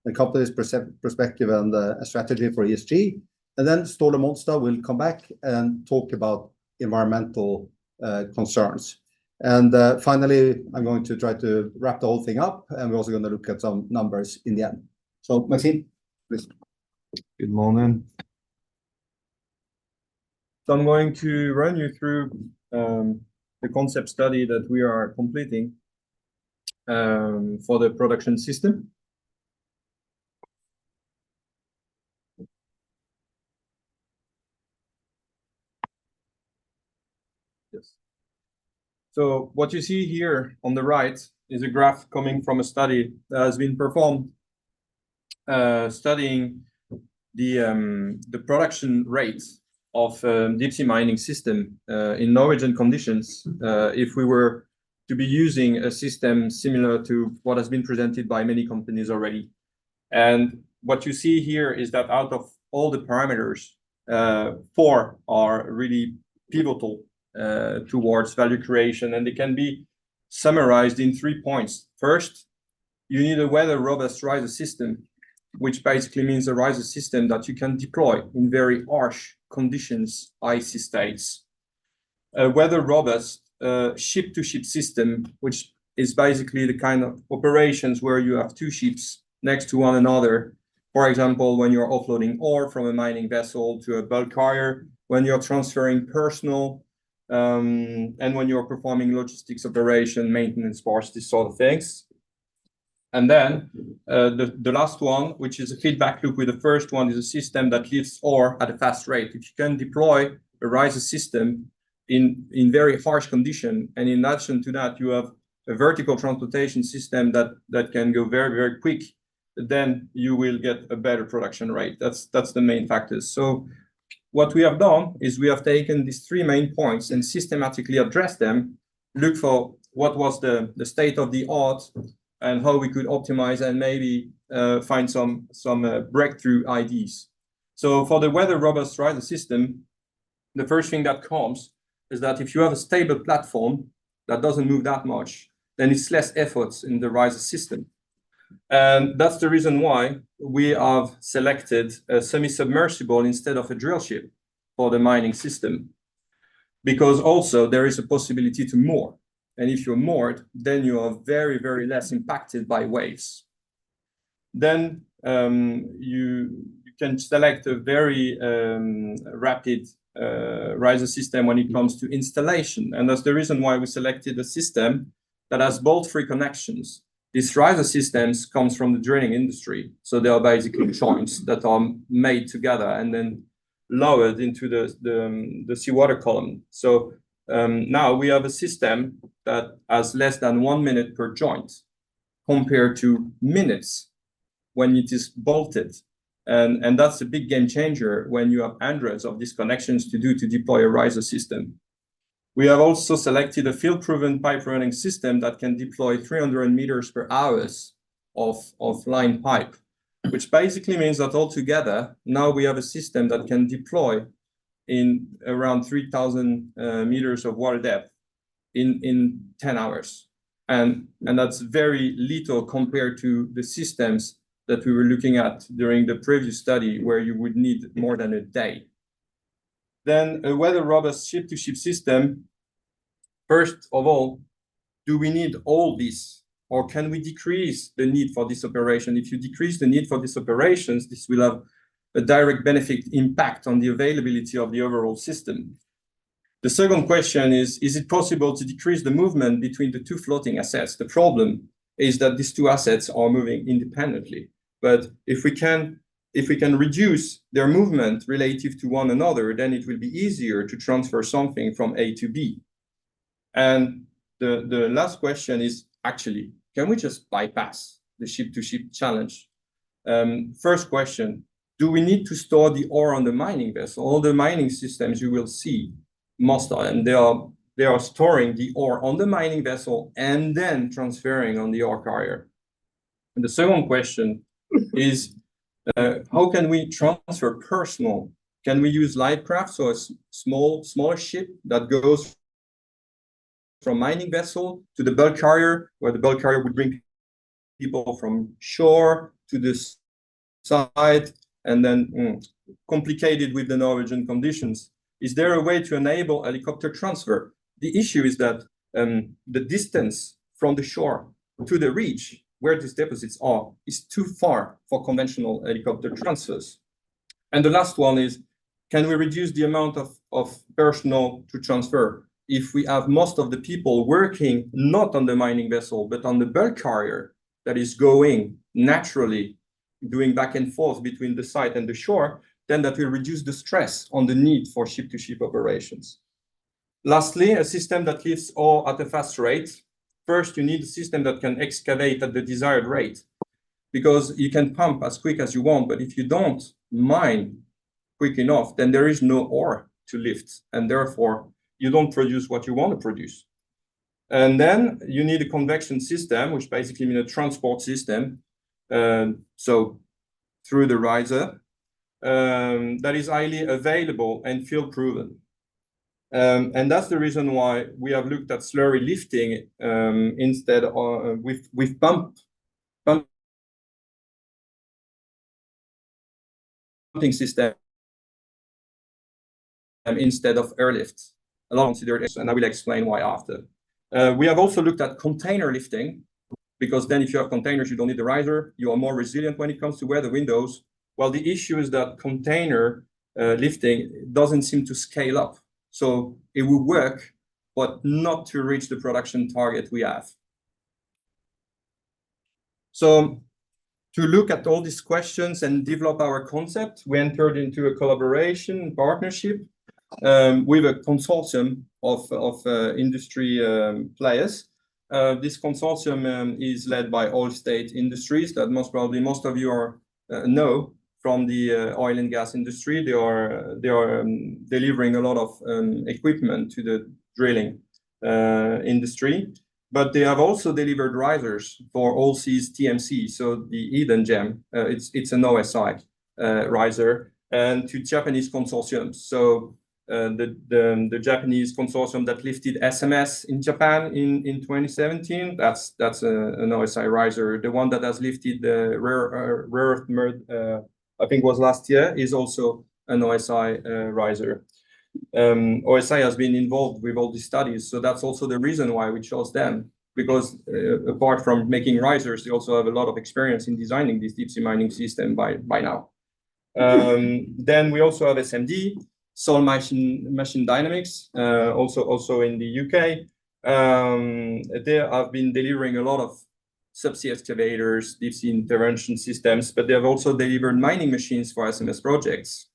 Speaker 1: the company's perspective and strategy for ESG. And then Ståle Monstad will come back and talk about environmental concerns. And finally, I'm going to try to wrap the whole thing up, and we're also gonna look at some numbers in the end. So, Maxime, please.
Speaker 6: Good morning. So I'm going to run you through the concept study that we are completing for the production system. Yes. So what you see here on the right is a graph coming from a study that has been performed studying the production rates of deep sea mining system in Norwegian conditions if we were to be using a system similar to what has been presented by many companies already. And what you see here is that out of all the parameters four are really pivotal towards value creation and they can be summarized in three points. First, you need a weather-robust riser system which basically means a riser system that you can deploy in very harsh conditions icy states. A weather-robust, ship-to-ship system, which is basically the kind of operations where you have two ships next to one another. For example, when you're offloading ore from a mining vessel to a bulker, when you're transferring personnel, and when you're performing logistics operation, maintenance parts, these sort of things. And then, the last one, which is a feedback loop with the first one, is a system that lifts ore at a fast rate. If you can deploy a riser system in very harsh condition, and in addition to that, you have a vertical transportation system that can go very, very quick, then you will get a better production rate. That's the main factors. So what we have done is we have taken these three main points and systematically addressed them, looked for what was the state of the art and how we could optimize and maybe find some breakthrough ideas. So for the weather-robust riser system, the first thing that comes is that if you have a stable platform that doesn't move that much, then it's less efforts in the riser system. And that's the reason why we have selected a semi-submersible instead of a drill ship for the mining system. Because also there is a possibility to moor, and if you're moored, then you are very, very less impacted by waves. Then you can select a very rapid riser system when it comes to installation, and that's the reason why we selected a system that has bolt-free connections. These riser systems comes from the drilling industry, so they are basically joints that are made together and then lowered into the seawater column. So, now we have a system that has less than one minute per joint, compared to minutes when it is bolted. And that's a big game changer when you have hundreds of these connections to do to deploy a riser system. We have also selected a field-proven pipe running system that can deploy 300 meters per hours of line pipe, which basically means that altogether, now we have a system that can deploy in around 3,000 meters of water depth in 10 hours. And that's very little compared to the systems that we were looking at during the previous study, where you would need more than a day. Then, a weather-robust ship-to-ship system. First of all, do we need all this, or can we decrease the need for this operation? If you decrease the need for these operations, this will have a direct benefit impact on the availability of the overall system. The second question is: Is it possible to decrease the movement between the two floating assets? The problem is that these two assets are moving independently, but if we can, if we can reduce their movement relative to one another, then it will be easier to transfer something from A to B. And the last question is, actually, can we just bypass the ship-to-ship challenge? First question: Do we need to store the ore on the mining vessel? All the mining systems you will see, most of them, they are, they are storing the ore on the mining vessel and then transferring on the ore carrier. The second question is: How can we transfer personnel? Can we use light craft or a small, smaller ship that goes from mining vessel to the bulk carrier, where the bulk carrier would bring people from shore to this site, and then, complicated with the Norwegian conditions. Is there a way to enable helicopter transfer? The issue is that, the distance from the shore to the ridge where these deposits are is too far for conventional helicopter transfers. And the last one is: Can we reduce the amount of, of personnel to transfer? If we have most of the people working not on the mining vessel, but on the bulk carrier that is going naturally, doing back and forth between the site and the shore, then that will reduce the stress on the need for ship-to-ship operations. Lastly, a system that lifts ore at a fast rate. First, you need a system that can excavate at the desired rate, because you can pump as quick as you want, but if you don't mine quick enough, then there is no ore to lift, and therefore, you don't produce what you want to produce. And then you need a convection system, which basically means a transport system, so through the riser, that is highly available and field-proven. And that's the reason why we have looked at slurry lifting, instead, or with, with pump, pumping system instead of airlifts, alongside, and I will explain why after. We have also looked at container lifting, because then if you have containers, you don't need the riser. You are more resilient when it comes to weather windows. Well, the issue is that container lifting doesn't seem to scale up. So it will work, but not to reach the production target we have. So to look at all these questions and develop our concept, we entered into a collaboration partnership with a consortium of industry players. This consortium is led by Oil States Industries, that most probably most of you know from the oil and gas industry. They are delivering a lot of equipment to the drilling industry. But they have also delivered risers for Allseas TMC, so the Hidden Gem, it's an OSI riser, and to Japanese consortium. So the Japanese consortium that lifted SMS in Japan in 2017, that's an OSI riser. The one that has lifted the rare, rare earth, I think it was last year, is also an OSI riser. OSI has been involved with all these studies, so that's also the reason why we chose them, because, apart from making risers, they also have a lot of experience in designing this deep-sea mining system by now. Then we also have SMD, Soil Machine Dynamics, also in the U.K.. They have been delivering a lot of subsea excavators, deep sea intervention systems, but they have also delivered mining machines for SMS projects.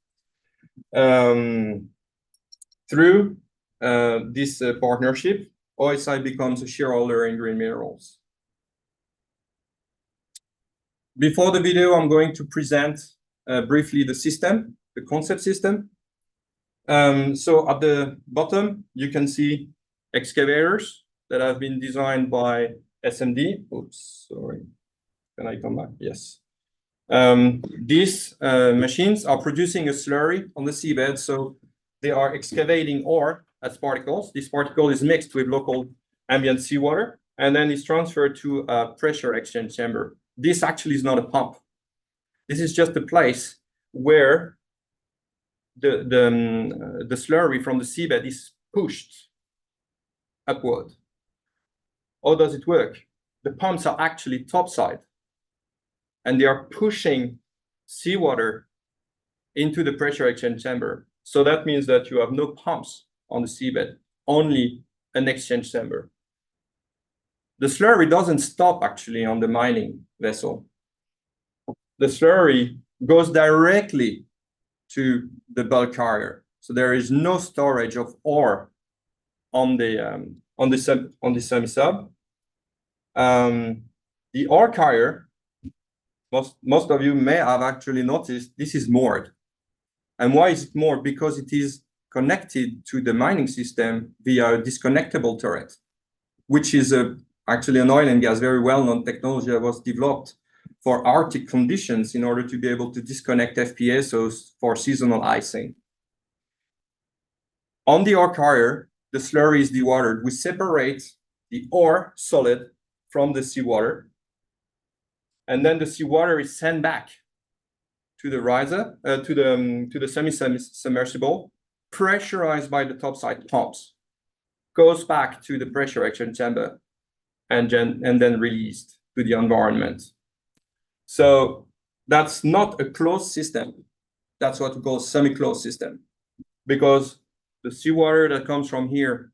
Speaker 6: Through this partnership, OSI becomes a shareholder in Green Minerals. Before the video, I'm going to present briefly the system, the concept system. So at the bottom, you can see excavators that have been designed by SMD. Oops, sorry. Can I come back? Yes. These machines are producing a slurry on the SeaBird, so they are excavating ore as particles. This particle is mixed with local ambient seawater, and then is transferred to a pressure exchange chamber. This actually is not a pump. This is just a place where the slurry from the SeaBird is pushed upward. How does it work? The pumps are actually top side, and they are pushing seawater into the pressure exchange chamber. So that means that you have no pumps on the SeaBird, only an exchange chamber. The slurry doesn't actually stop on the mining vessel. The slurry goes directly to the bulk carrier, so there is no storage of ore on the sub- on the semi-sub. The ore carrier, most of you may have actually noticed, this is moored. Why is it moored? Because it is connected to the mining system via a disconnectable turret, which is actually an oil and gas very well-known technology that was developed for arctic conditions in order to be able to disconnect FPSOs for seasonal icing. On the ore carrier, the slurry is dewatered. We separate the ore solid from the seawater, and then the seawater is sent back to the riser, to the semi-submersible, pressurized by the topside pumps, goes back to the pressure exchange chamber, and then released to the environment. So that's not a closed system. That's what we call semi-closed system, because the seawater that comes from here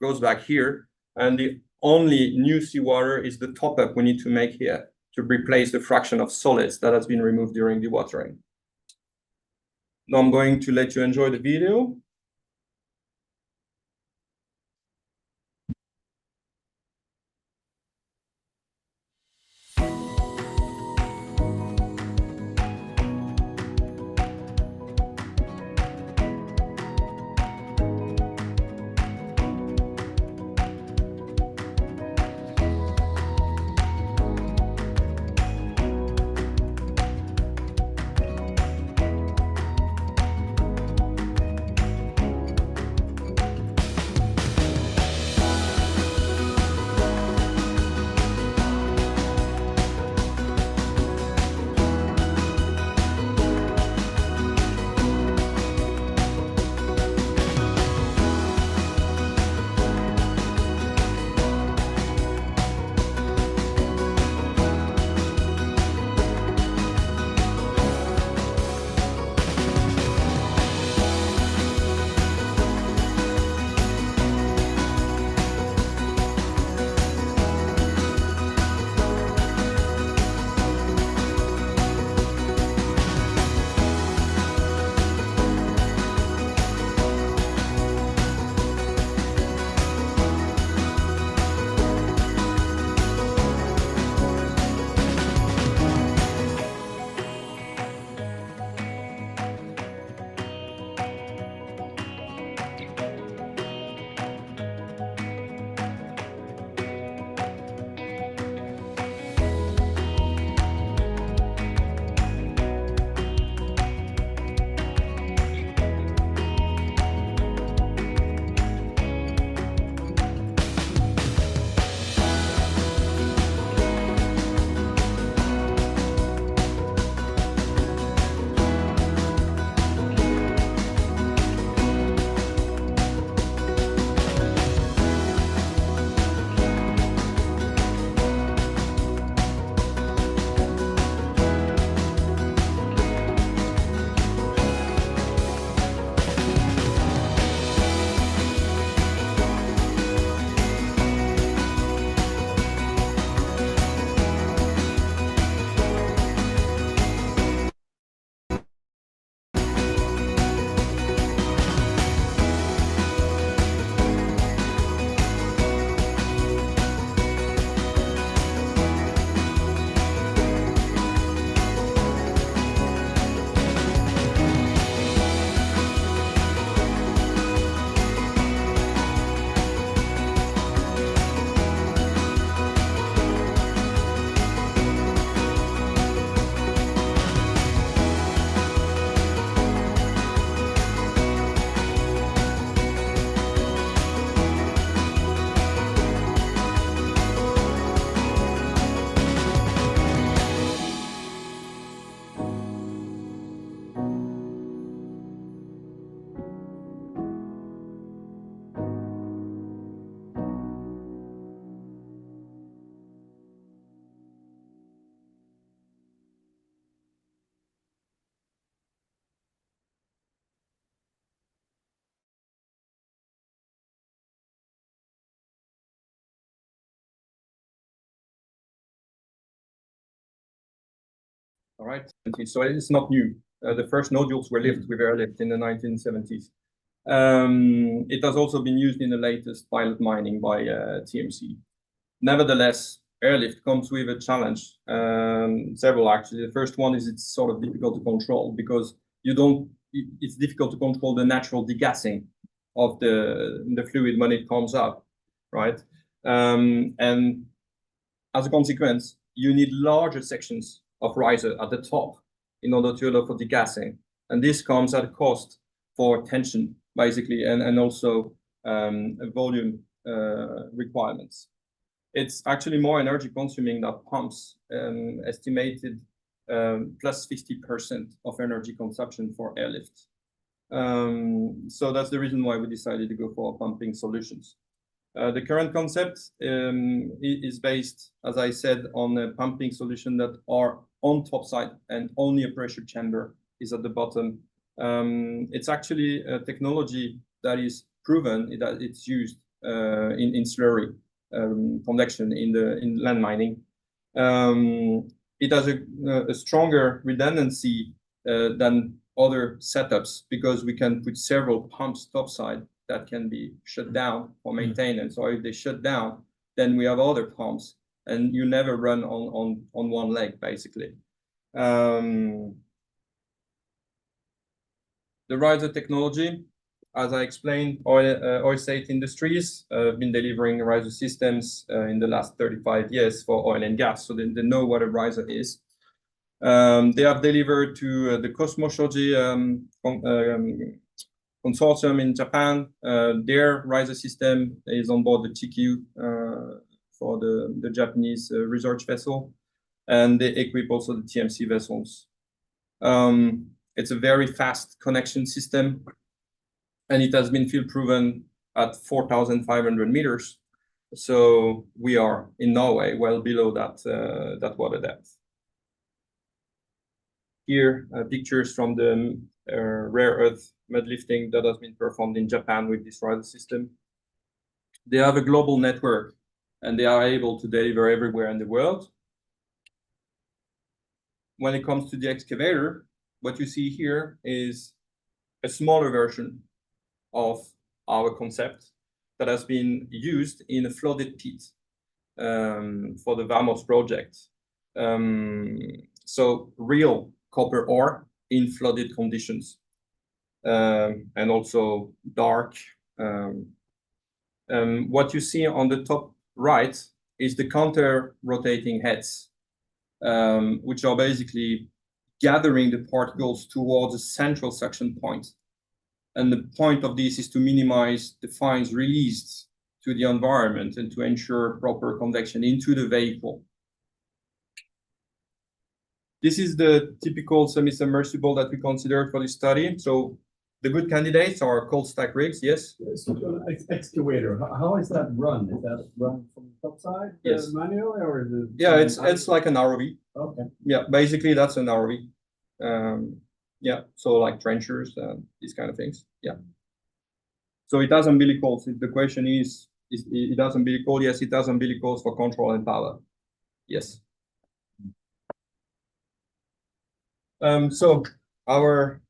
Speaker 6: goes back here, and the only new seawater is the top-up we need to make here to replace the fraction of solids that has been removed during dewatering. Now, I'm going to let you enjoy the video. All right, so it is not new. The first nodules were lifted with airlift in the 1970s. It has also been used in the latest pilot mining by TMC. Nevertheless, airlift comes with a challenge, several, actually. The first one is it's sort of difficult to control the natural degassing of the fluid when it comes up, right? And as a consequence, you need larger sections of riser at the top in order to allow for degassing, and this comes at a cost for tension, basically, and also volume requirements. It's actually more energy-consuming than pumps, estimated +50% of energy consumption for airlifts. So that's the reason why we decided to go for pumping solutions. The current concept is based, as I said, on the pumping solution that are on top side, and only a pressure chamber is at the bottom. It's actually a technology that is proven, that it's used in slurry convection in land mining. It has a stronger redundancy than other setups because we can put several pumps top side that can be shut down for maintenance. Or if they shut down, then we have other pumps, and you never run on one leg, basically. The riser technology, as I explained, Oil States Industries have been delivering riser systems in the last 35 years for oil and gas, so they know what a riser is. They have delivered to the JOGMEC Consortium in Japan. Their riser system is on board the Chikyu, for the Japanese research vessel, and they equip also the TMC vessels. It's a very fast connection system, and it has been field-proven at 4,500 meters, so we are in Norway, well below that water depth. Here, pictures from the rare earth mud lifting that has been performed in Japan with this riser system. They have a global network, and they are able to deliver everywhere in the world. When it comes to the excavator, what you see here is a smaller version of our concept that has been used in a flooded pit, for the VAMOS project. So real copper ore in flooded conditions, and also dark. What you see on the top right is the counter-rotating heads, which are basically gathering the particles towards a central suction point. The point of this is to minimize the fines released to the environment and to ensure proper convection into the vehicle. This is the typical semi-submersible that we considered for this study. The good candidates are cold stack rigs, yes?
Speaker 5: Excavator, how is that run? Is that run from the top side-Yes-manually, or is it
Speaker 6: Yeah, it's like an ROV.
Speaker 5: Okay.
Speaker 6: Yeah. Basically, that's an ROV. Yeah, so, like, trenchers, these kind of things. Yeah. So it doesn't really call for control and power. Yes. So our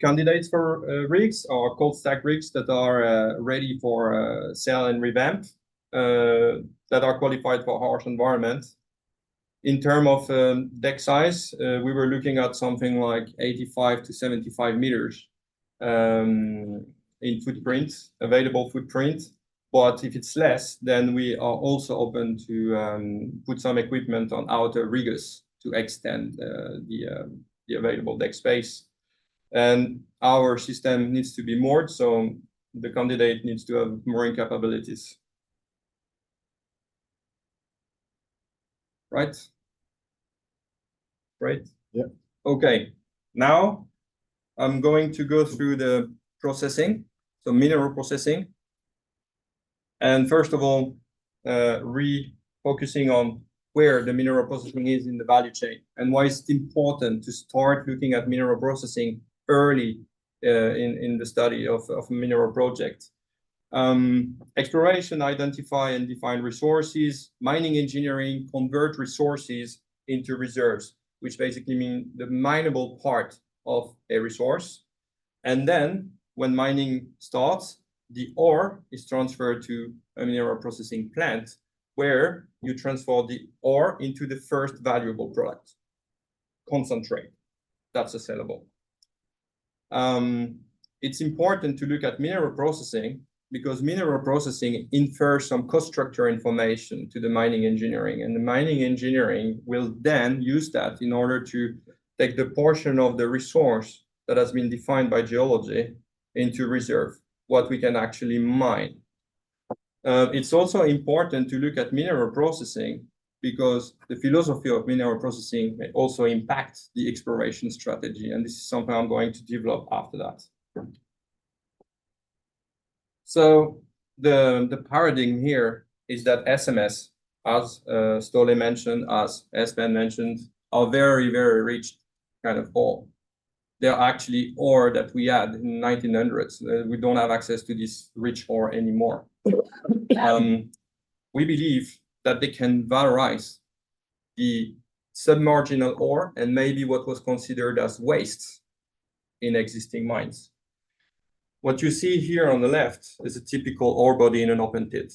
Speaker 6: candidates for rigs are cold stack rigs that are ready for sale and revamp that are qualified for harsh environments. In terms of deck size, we were looking at something like 85-75 meters in footprint, available footprint. But if it's less, then we are also open to put some equipment on outer riggers to extend the available deck space. And our system needs to be moored, so the candidate needs to have mooring capabilities. Right? Right.
Speaker 5: Yeah.
Speaker 6: Okay. Now, I'm going to go through the processing, so mineral processing. And first of all, refocusing on where the mineral processing is in the value chain and why it's important to start looking at mineral processing early, in the study of mineral projects. Exploration, identify and define resources. Mining engineering, convert resources into reserves, which basically mean the minable part of a resource. And then when mining starts, the ore is transferred to a mineral processing plant, where you transform the ore into the first valuable product: concentrate, that's sellable. It's important to look at mineral processing because mineral processing infers some cost structure information to the mining engineering, and the mining engineering will then use that in order to take the portion of the resource that has been defined by geology into reserve, what we can actually mine. It's also important to look at mineral processing because the philosophy of mineral processing may also impact the exploration strategy, and this is something I'm going to develop after that. So the, the paradigm here is that SMS, as Ståle mentioned, as Sveinung mentioned, are very, very rich kind of ore. They are actually ore that we had in 1900s. We don't have access to this rich ore anymore. We believe that they can valorize the submarginal ore and maybe what was considered as waste in existing mines. What you see here on the left is a typical ore body in an open pit.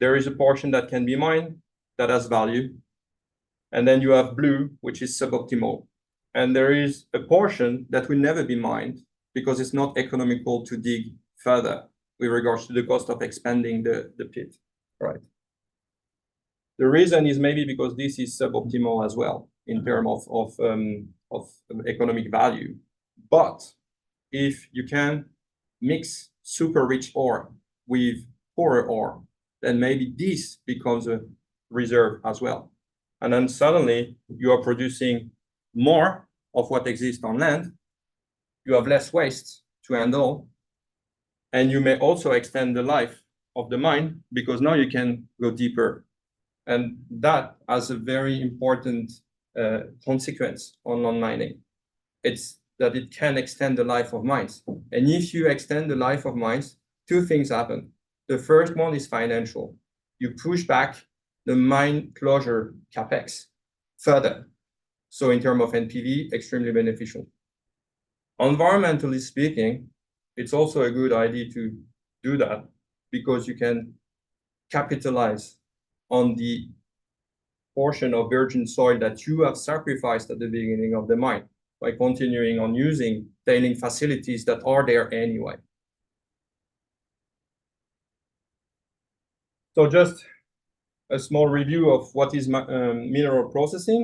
Speaker 6: There is a portion that can be mined, that has value and then you have blue, which is suboptimal. And there is a portion that will never be mined because it's not economical to dig further with regards to the cost of expanding the pit. Right. The reason is maybe because this is suboptimal as well in term of economic value. But if you can mix super rich ore with poorer ore, then maybe this becomes a reserve as well. And then suddenly, you are producing more of what exists on land, you have less waste to handle, and you may also extend the life of the mine because now you can go deeper. And that has a very important consequence on mining. It's that it can extend the life of mines. And if you extend the life of mines, two things happen. The first one is financial. You push back the mine closure CapEx further. So in term of NPV, extremely beneficial. Environmentally speaking, it's also a good idea to do that because you can capitalize on the portion of virgin soil that you have sacrificed at the beginning of the mine by continuing on using tailings facilities that are there anyway. So just a small review of what is mineral processing.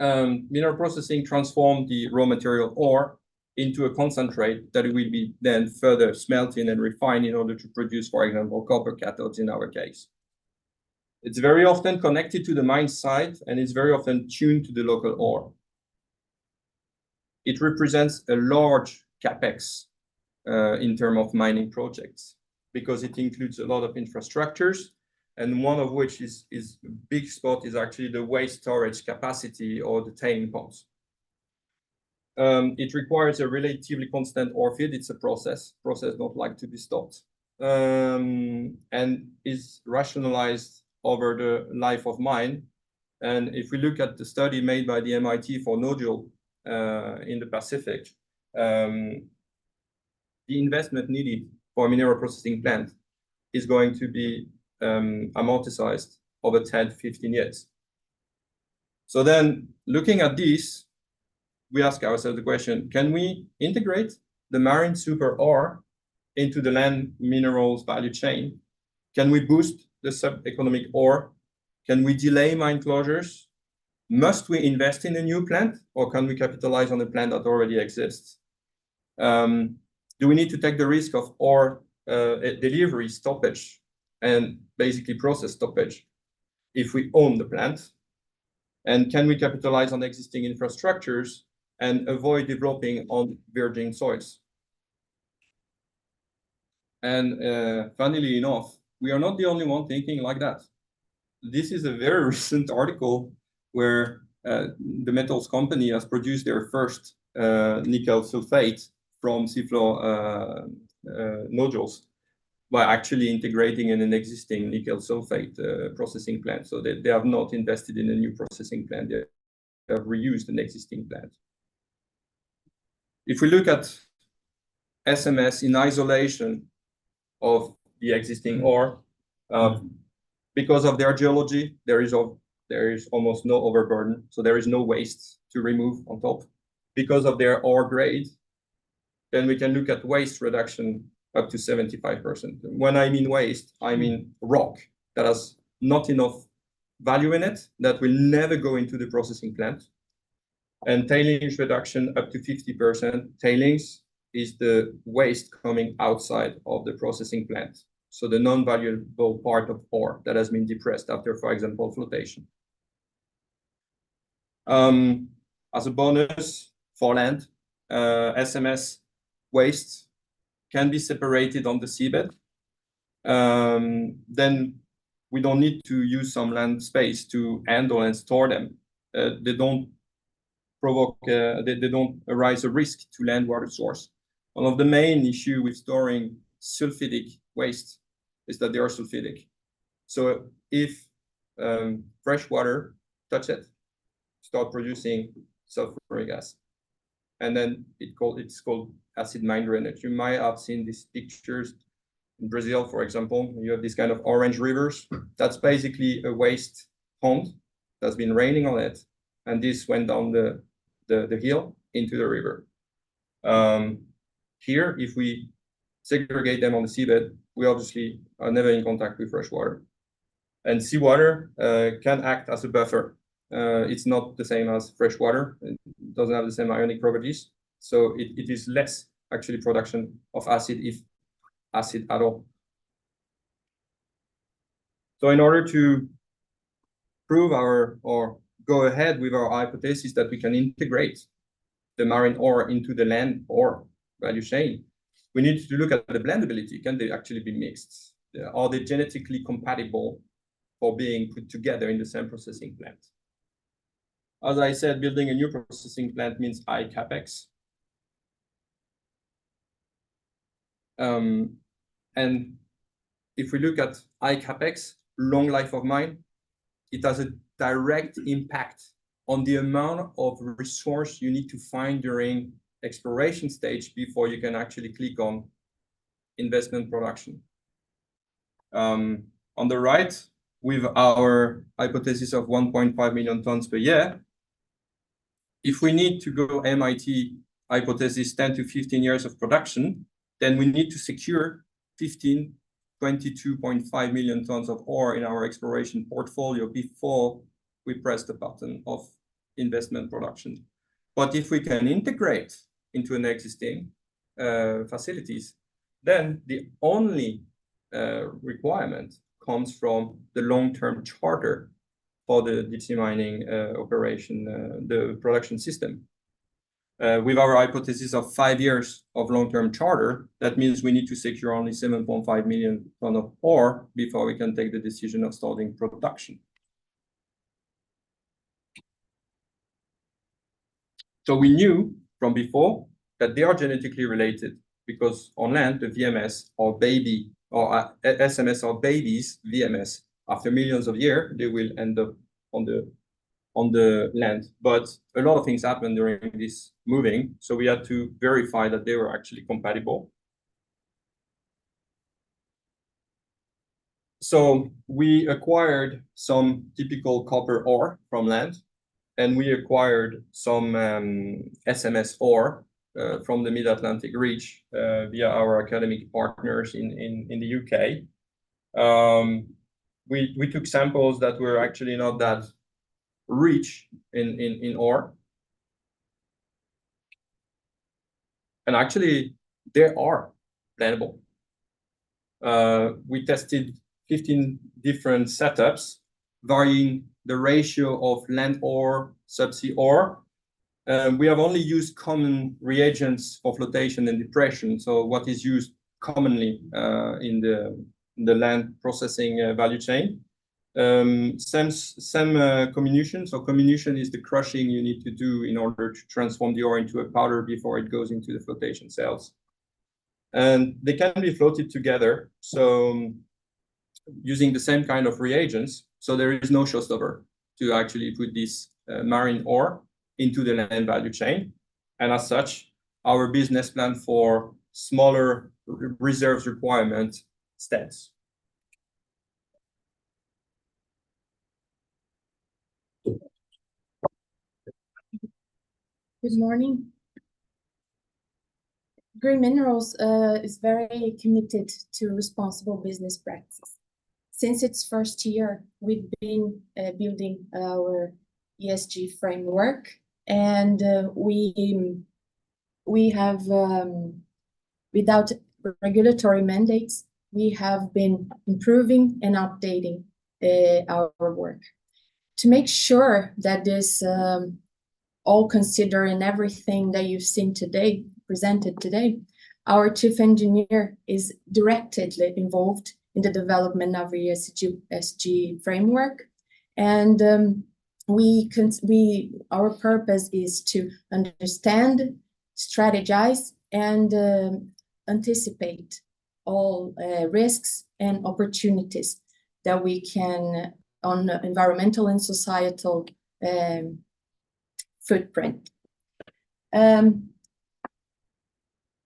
Speaker 6: Mineral processing transform the raw material ore into a concentrate that will be then further smelting and refined in order to produce, for example, copper cathodes, in our case. It's very often connected to the mine site, and it's very often tuned to the local ore. It represents a large CapEx in term of mining projects, because it includes a lot of infrastructures, and one of which is, is big spot, is actually the waste storage capacity or the tailings ponds. It requires a relatively constant ore feed. It's a process.is not likely to be stopped. It is rationalized over the life of mine. If we look at the study made by the MIT for nodule in the Pacific, the investment needed for a mineral processing plant is going to be amortized over 10-15 years. So then, looking at this, we ask ourselves the question: Can we integrate the marine super ore into the land minerals value chain? Can we boost the sub-economic ore? Can we delay mine closures? Must we invest in a new plant, or can we capitalize on a plant that already exists? Do we need to take the risk of ore delivery stoppage and basically process stoppage if we own the plant? And can we capitalize on existing infrastructures and avoid developing on virgin soils? And, funnily enough, we are not the only one thinking like that. This is a very recent article where The Metals Company has produced their first nickel sulfate from seafloor nodules by actually integrating in an existing nickel sulfate processing plant. So they have not invested in a new processing plant, they have reused an existing plant. If we look at SMS in isolation of the existing ore, because of their geology, there is almost no overburden, so there is no waste to remove on top. Because of their ore grade, then we can look at waste reduction up to 75%. When I mean waste, I mean rock that has not enough value in it, that will never go into the processing plant. Tailings reduction up to 50%. Tailings is the waste coming outside of the processing plant, so the non-valuable part of ore that has been depressed after, for example, flotation. As a bonus for land, SMS waste can be separated on the sSaBird. Then we don't need to use some land space to handle and store them. They don't provoke, they don't arise a risk to land water source. One of the main issue with storing sulfidic waste is that they are sulfidic. So if fresh water touch it, start producing sulfuric gas, and then it's called acid mine drainage. You might have seen these pictures in Brazil, for example, you have these kind of orange rivers. That's basically a waste pond that's been raining on it, and this went down the hill into the river. Here, if we segregate them on the SeaBird, we obviously are never in contact with fresh water. Seawater can act as a buffer. It's not the same as fresh water, it doesn't have the same ionic properties, so it is less actually production of acid, if acid at all. In order to prove our... or go ahead with our hypothesis that we can integrate the marine ore into the land ore value chain, we need to look at the blendability. Can they actually be mixed? Are they genetically compatible for being put together in the same processing plant? As I said, building a new processing plant means high CapEx. And if we look at high CapEx, long life of mine, it has a direct impact on the amount of resource you need to find during exploration stage before you can actually click on investment production. On the right, with our hypothesis of 1.5 million tons per year, if we need to go MIT hypothesis 10-15 years of production, then we need to secure 15-22.5 million tons of ore in our exploration portfolio before we press the button of investment production. But if we can integrate into an existing facilities, then the only requirement comes from the long-term charter for the deep-sea mining operation, the production system. With our hypothesis of five years of long-term charter, that means we need to secure only 7.5 million ton of ore before we can take the decision of starting production. So we knew from before that they are genetically related, because on land, the VMS are baby, SMS are babies, VMS. After millions of year, they will end up on the land. But a lot of things happened during this moving, so we had to verify that they were actually compatible. So we acquired some typical copper ore from land, and we acquired some SMS ore from the Mid-Atlantic Ridge via our academic partners in the U.K. We took samples that were actually not that rich in ore. And actually, they are blendable. We tested 15 different setups, varying the ratio of land ore, subsea ore. We have only used common reagents for flotation and depression, so what is used commonly in the land processing value chain. Some comminution. So comminution is the crushing you need to do in order to transform the ore into a powder before it goes into the flotation cells. And they can be floated together, so using the same kind of reagents, so there is no showstopper to actually put this marine ore into the land value chain, and as such, our business plan for smaller reserves requirement stands.
Speaker 7: Good morning. Green Minerals is very committed to responsible business practice. Since its first year, we've been building our ESG framework. Without regulatory mandates, we have been improving and updating our work. To make sure that this all consider and everything that you've seen today, presented today, our Chief Engineer is directly involved in the development of our ESG, SG framework. Our purpose is to understand, strategize, and anticipate all risks and opportunities that we can on environmental and societal footprint.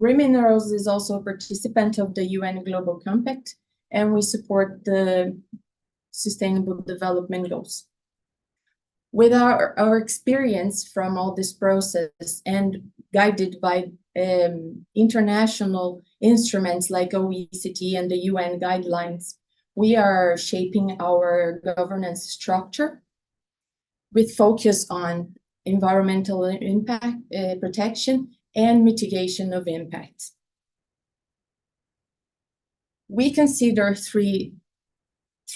Speaker 7: Green Minerals is also a participant of the UN Global Compact, and we support the sustainable development goals. With our experience from all this process, and guided by international instruments like OECD and the UN guidelines, we are shaping our governance structure with focus on environmental impact, protection, and mitigation of impacts. We consider three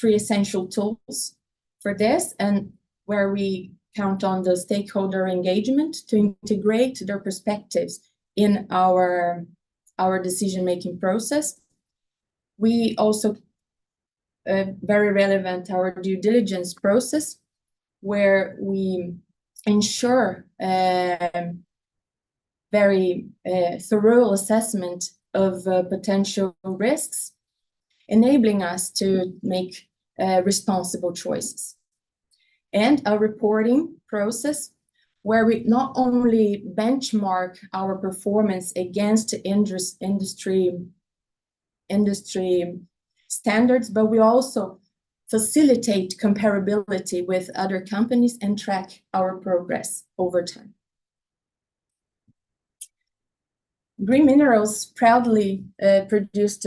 Speaker 7: essential tools for this, and where we count on the stakeholder engagement to integrate their perspectives in our decision-making process. We also very relevant, our due diligence process, where we ensure very thorough assessment of potential risks, enabling us to make responsible choices. And a reporting process, where we not only benchmark our performance against industry standards, but we also facilitate comparability with other companies and track our progress over time. Green Minerals proudly produced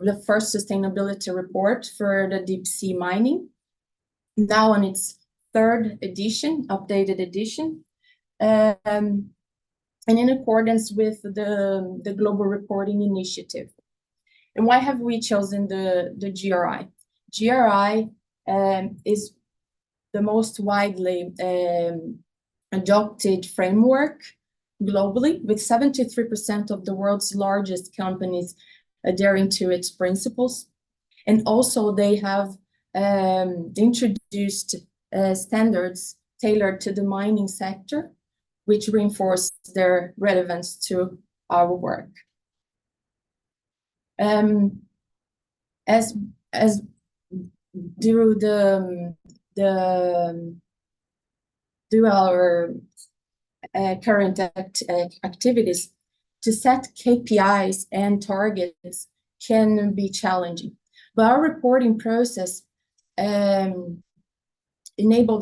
Speaker 7: the first sustainability report for the deep-sea mining, now on its third edition, updated edition, and in accordance with the Global Reporting Initiative. And why have we chosen the GRI? GRI is the most widely adopted framework globally, with 73% of the world's largest companies adhering to its principles. And also, they have introduced standards tailored to the mining sector, which reinforce their relevance to our work. As do our current activities, to set KPIs and targets can be challenging. But our reporting process enabled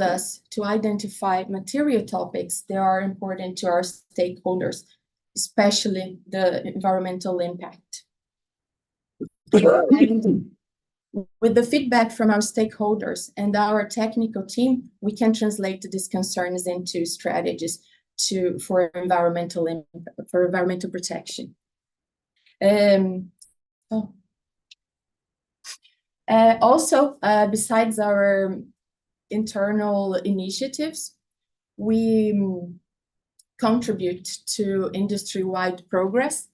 Speaker 7: us to identify material topics that are important to our stakeholders, especially the environmental impact. With the feedback from our stakeholders and our technical team, we can translate these concerns into strategies for environmental impact, for environmental protection. Also, besides our internal initiatives, we contribute to industry-wide progress,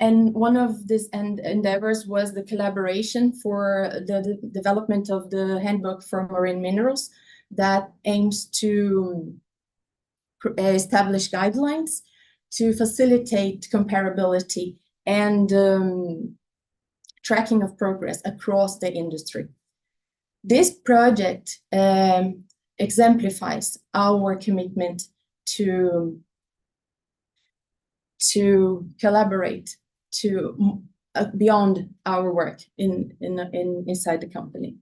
Speaker 7: and one of these endeavors was the collaboration for the development of the handbook for marine minerals that aims to establish guidelines to facilitate comparability and tracking of progress across the industry. This project exemplifies our commitment to collaborate beyond our work inside the company.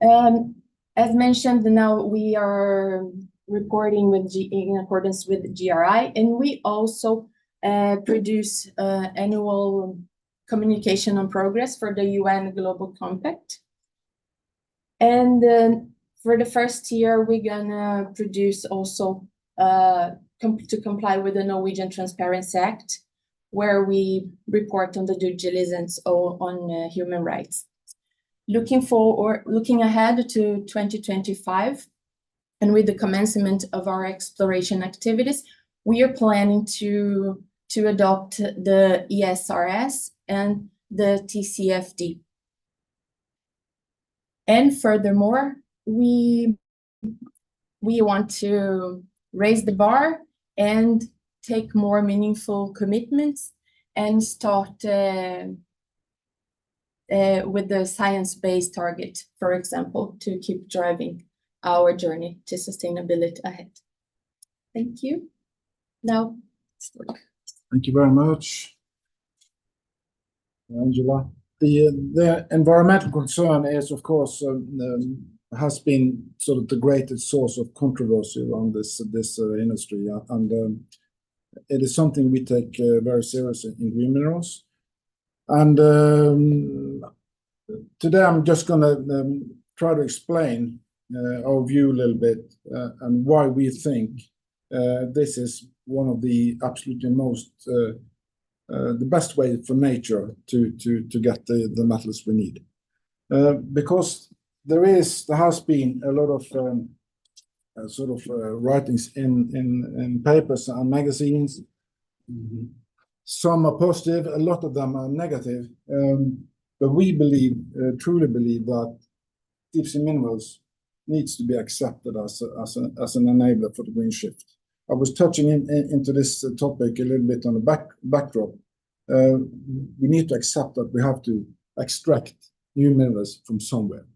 Speaker 7: As mentioned, now we are reporting in accordance with GRI, and we also produce annual communication on progress for the UN Global Compact. And then for the first year, we're gonna produce also to comply with the Norwegian Transparency Act, where we report on the due diligence on human rights. Looking ahead to 2025, and with the commencement of our exploration activities, we are planning to adopt the ESRS and the TCFD. And furthermore, we want to raise the bar and take more meaningful commitments and start with the science-based target, for example, to keep driving our journey to sustainability ahead. Thank you. Now, Ståle.
Speaker 3: Thank you very much, Angela. The environmental concern is, of course, has been sort of the greatest source of controversy around this industry, and it is something we take very seriously in Green Minerals. And today I'm just gonna try to explain our view a little bit and why we think this is one of the absolutely most the best way for nature to get the metals we need. Because there has been a lot of sort of writings in papers and magazines. Some are positive, a lot of them are negative, but we believe truly believe that deep-sea minerals needs to be accepted as an enabler for the green shift. I was touching on this topic a little bit on the backdrop. We need to accept that we have to extract new minerals from somewhere.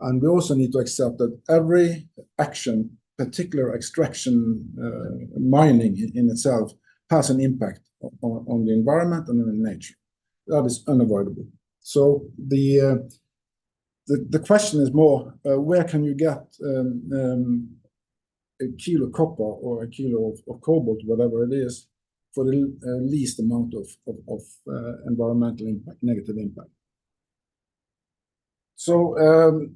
Speaker 3: And we also need to accept that every action, in particular extraction, mining in itself, has an impact on the environment and on nature. That is unavoidable. So the question is more where can you get a kilo of copper or a kilo of cobalt, whatever it is, for the least amount of environmental impact, negative impact? So,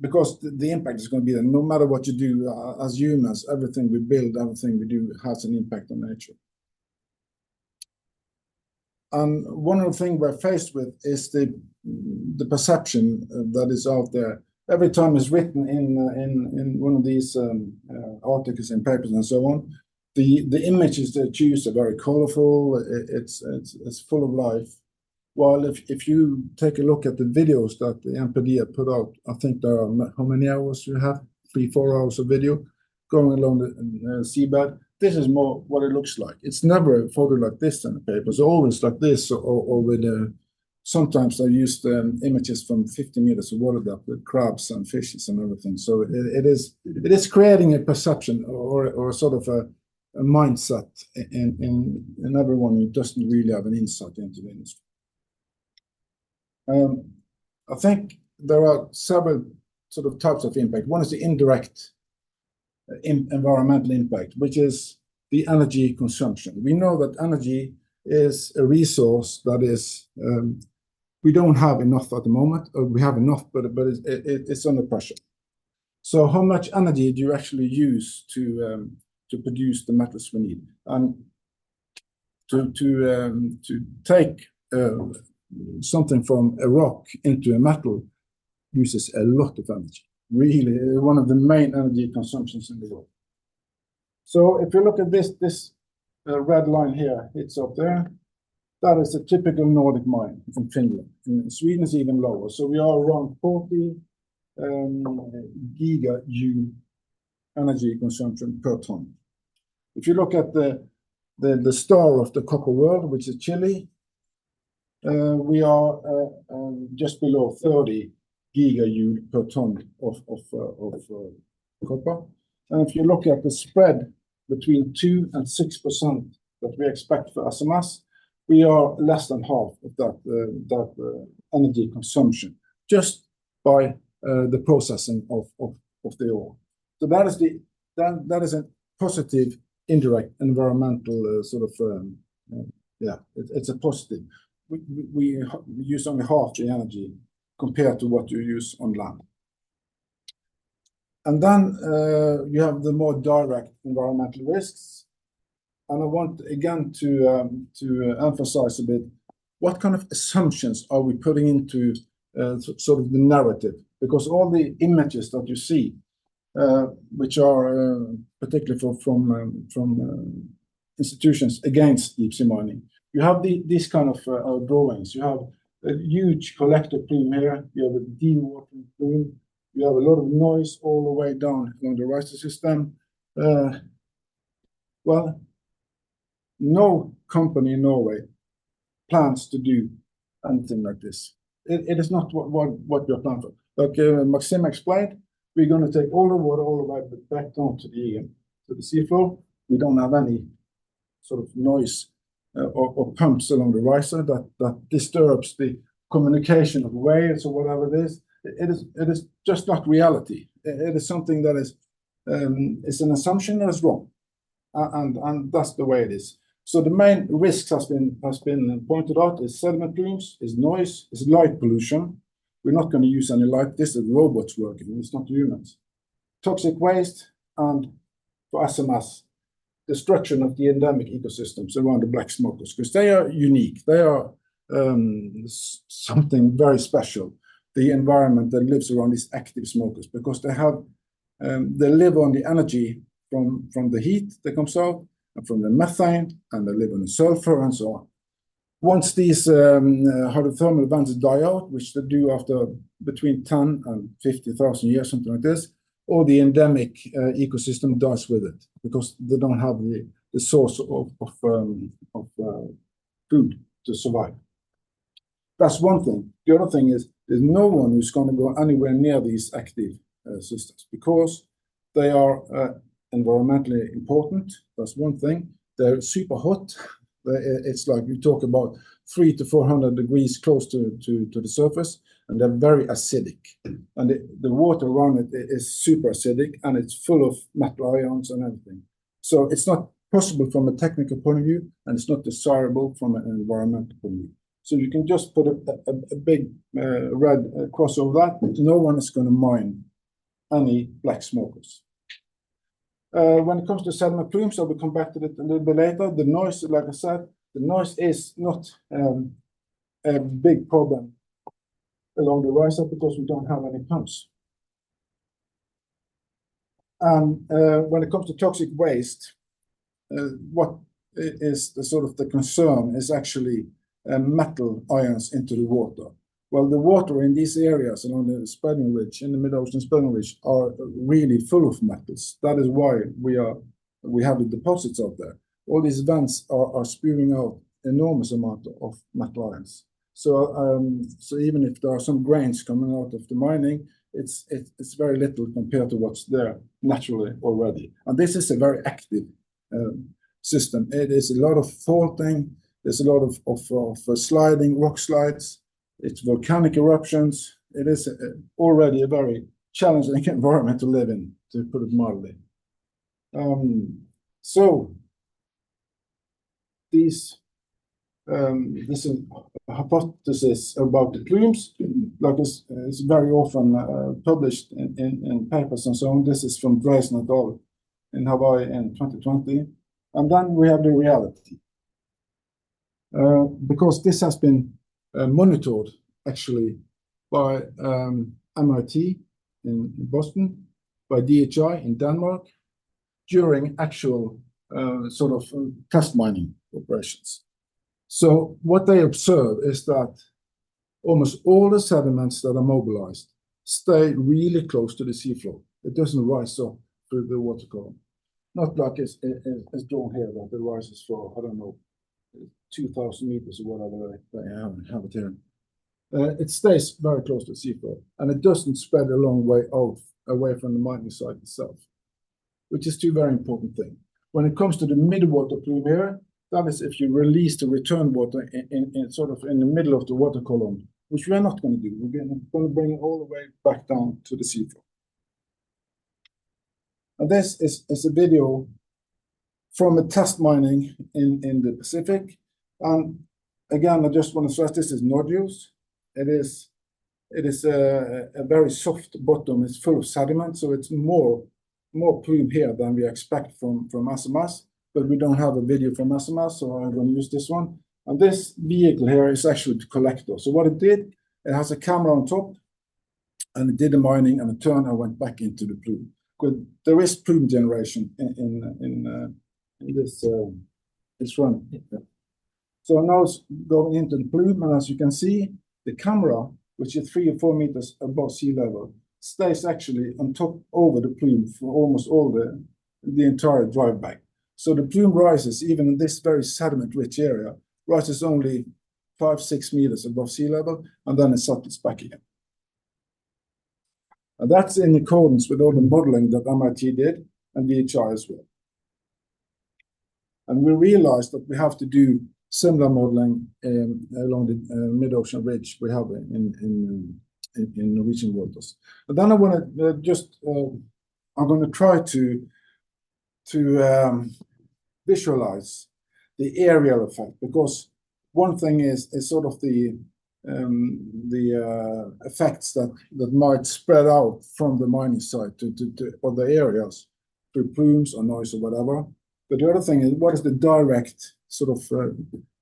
Speaker 3: because the impact is gonna be there, no matter what you do, as humans, everything we build, everything we do has an impact on nature. And one of the things we're faced with is the perception that is out there. Every time it's written in one of these articles and papers and so on, the images they choose are very colorful, it's full of life. While if you take a look at the videos that the NPD have put out, I think there are, how many hours do you have? three, four hours of video going along the SeaBird. This is more what it looks like. It's never a photo like this in the papers, it's always like this, or with sometimes they use the images from 50 meters of water depth with crabs and fishes and everything. So it is creating a perception or sort of a mindset in everyone who doesn't really have an insight into the industry. I think there are several sort of types of impact. One is the indirect environmental impact, which is the energy consumption. We know that energy is a resource that is, we don't have enough at the moment, or we have enough, but it's under pressure. So how much energy do you actually use to produce the metals we need? And to take something from a rock into a metal uses a lot of energy, really, one of the main energy consumptions in the world. So if you look at this red line here, it's up there. That is a typical Nordic mine from Finland. And Sweden is even lower. So we are around 40 gigajoule energy consumption per ton. If you look at the star of the copper world, which is Chile, we are just below 30 gigajoules per ton of copper. And if you look at the spread between 2%-6% that we expect for SMS, we are less than half of that energy consumption, just by the processing of the ore. So that is a positive indirect environmental, yeah, it's a positive. We use only half the energy compared to what you use on land. And then you have the more direct environmental risks, and I want again to emphasize a bit what kind of assumptions are we putting into sort of the narrative? Because all the images that you see, which are particularly from institutions against deep-sea mining, you have these kind of drawings. You have a huge collector plume here. You have a dewatering plume. You have a lot of noise all the way down along the riser system. Well, no company in Norway plans to do anything like this. It is not what we are planning for. Like Maxime explained, we're gonna take all the water, all the way back down to the sea floor. We don't have any sort of noise or pumps along the riser that disturbs the communication of whales or whatever it is. It is just not reality. It is something that is an assumption, and it's wrong. And that's the way it is. So the main risks has been pointed out is sediment plumes, is noise, is light pollution. We're not gonna use any light. This is robots working. It's not humans. Toxic waste and for SMS, destruction of the endemic ecosystems around the black smokers, 'cause they are unique. They are, something very special, the environment that lives around these active smokers, because they live on the energy from, from the heat that comes out, and from the methane, and they live on the sulfur, and so on. Once these, hydrothermal vents die out, which they do after between 10 and 50,000 years, something like this, all the endemic, ecosystem dies with it because they don't have the, the source of, food to survive. That's one thing. The other thing is, there's no one who's gonna go anywhere near these active systems because they are environmentally important. That's one thing. They're super hot. It's like you talk about 300-400 degrees close to the surface, and they're very acidic, and the water around it is super acidic, and it's full of metal ions and everything. So it's not possible from a technical point of view, and it's not desirable from an environmental point of view. So you can just put a big red cross over that. No one is gonna mine any black smokers. When it comes to sediment plumes, so we'll come back to it a little bit later, the noise, like I said, the noise is not a big problem along the riser because we don't have any pumps. When it comes to toxic waste, what is the sort of the concern is actually metal ions into the water. Well, the water in these areas, along the Spreading Ridge, in the mid-ocean Spreading Ridge, are really full of metals. That is why we have the deposits out there. All these vents are spewing out enormous amount of metal ions. So, even if there are some grains coming out of the mining, it's very little compared to what's there naturally already. And this is a very active system. It is a lot of faulting. There's a lot of sliding, rock slides. It's volcanic eruptions. It is already a very challenging environment to live in, to put it mildly. So these, this is a hypothesis about the plumes, like is very often published in papers and so on. This is from Drazen et al. in Hawaii in 2020. And then we have the reality. Because this has been monitored actually by MIT in Boston, by DHI in Denmark, during actual sort of test mining operations. So what they observe is that almost all the sediments that are mobilized stay really close to the sea floor. It doesn't rise up through the water column. Not like it's drawn here, that it rises for, I don't know, 2,000 meters or whatever they have it here. It stays very close to the sea floor, and it doesn't spread a long way off, away from the mining site itself, which is two very important thing. When it comes to the mid-water plume here, that is, if you release the return water in sort of in the middle of the water column, which we are not gonna do. We're gonna bring it all the way back down to the sea floor. And this is a video from a test mining in the Pacific. And again, I just want to stress, this is nodules. It is a very soft bottom. It's full of sediment, so it's more plume here than we expect from SMS, but we don't have a video from SMS, so I'm gonna use this one. And this vehicle here is actually the collector. So what it did, it has a camera on top, and it did the mining, and it turned and went back into the plume. Good. There is plume generation in this one. So now it's going into the plume, and as you can see, the camera, which is 3 or 4 meters above sea level, stays actually on top over the plume for almost all the entire drive back. So the plume rises, even in this very sediment-rich area, rises only 5-6 meters above sea level, and then it settles back again. And that's in accordance with all the modeling that MIT did, and DHI as well. And we realized that we have to do similar modeling along the mid-ocean ridge we have in Norwegian waters. But then I wanna just, I'm gonna try to visualize the aerial effect, because one thing is sort of the effects that might spread out from the mining site to other areas, through plumes or noise or whatever. But the other thing is, what is the direct sort of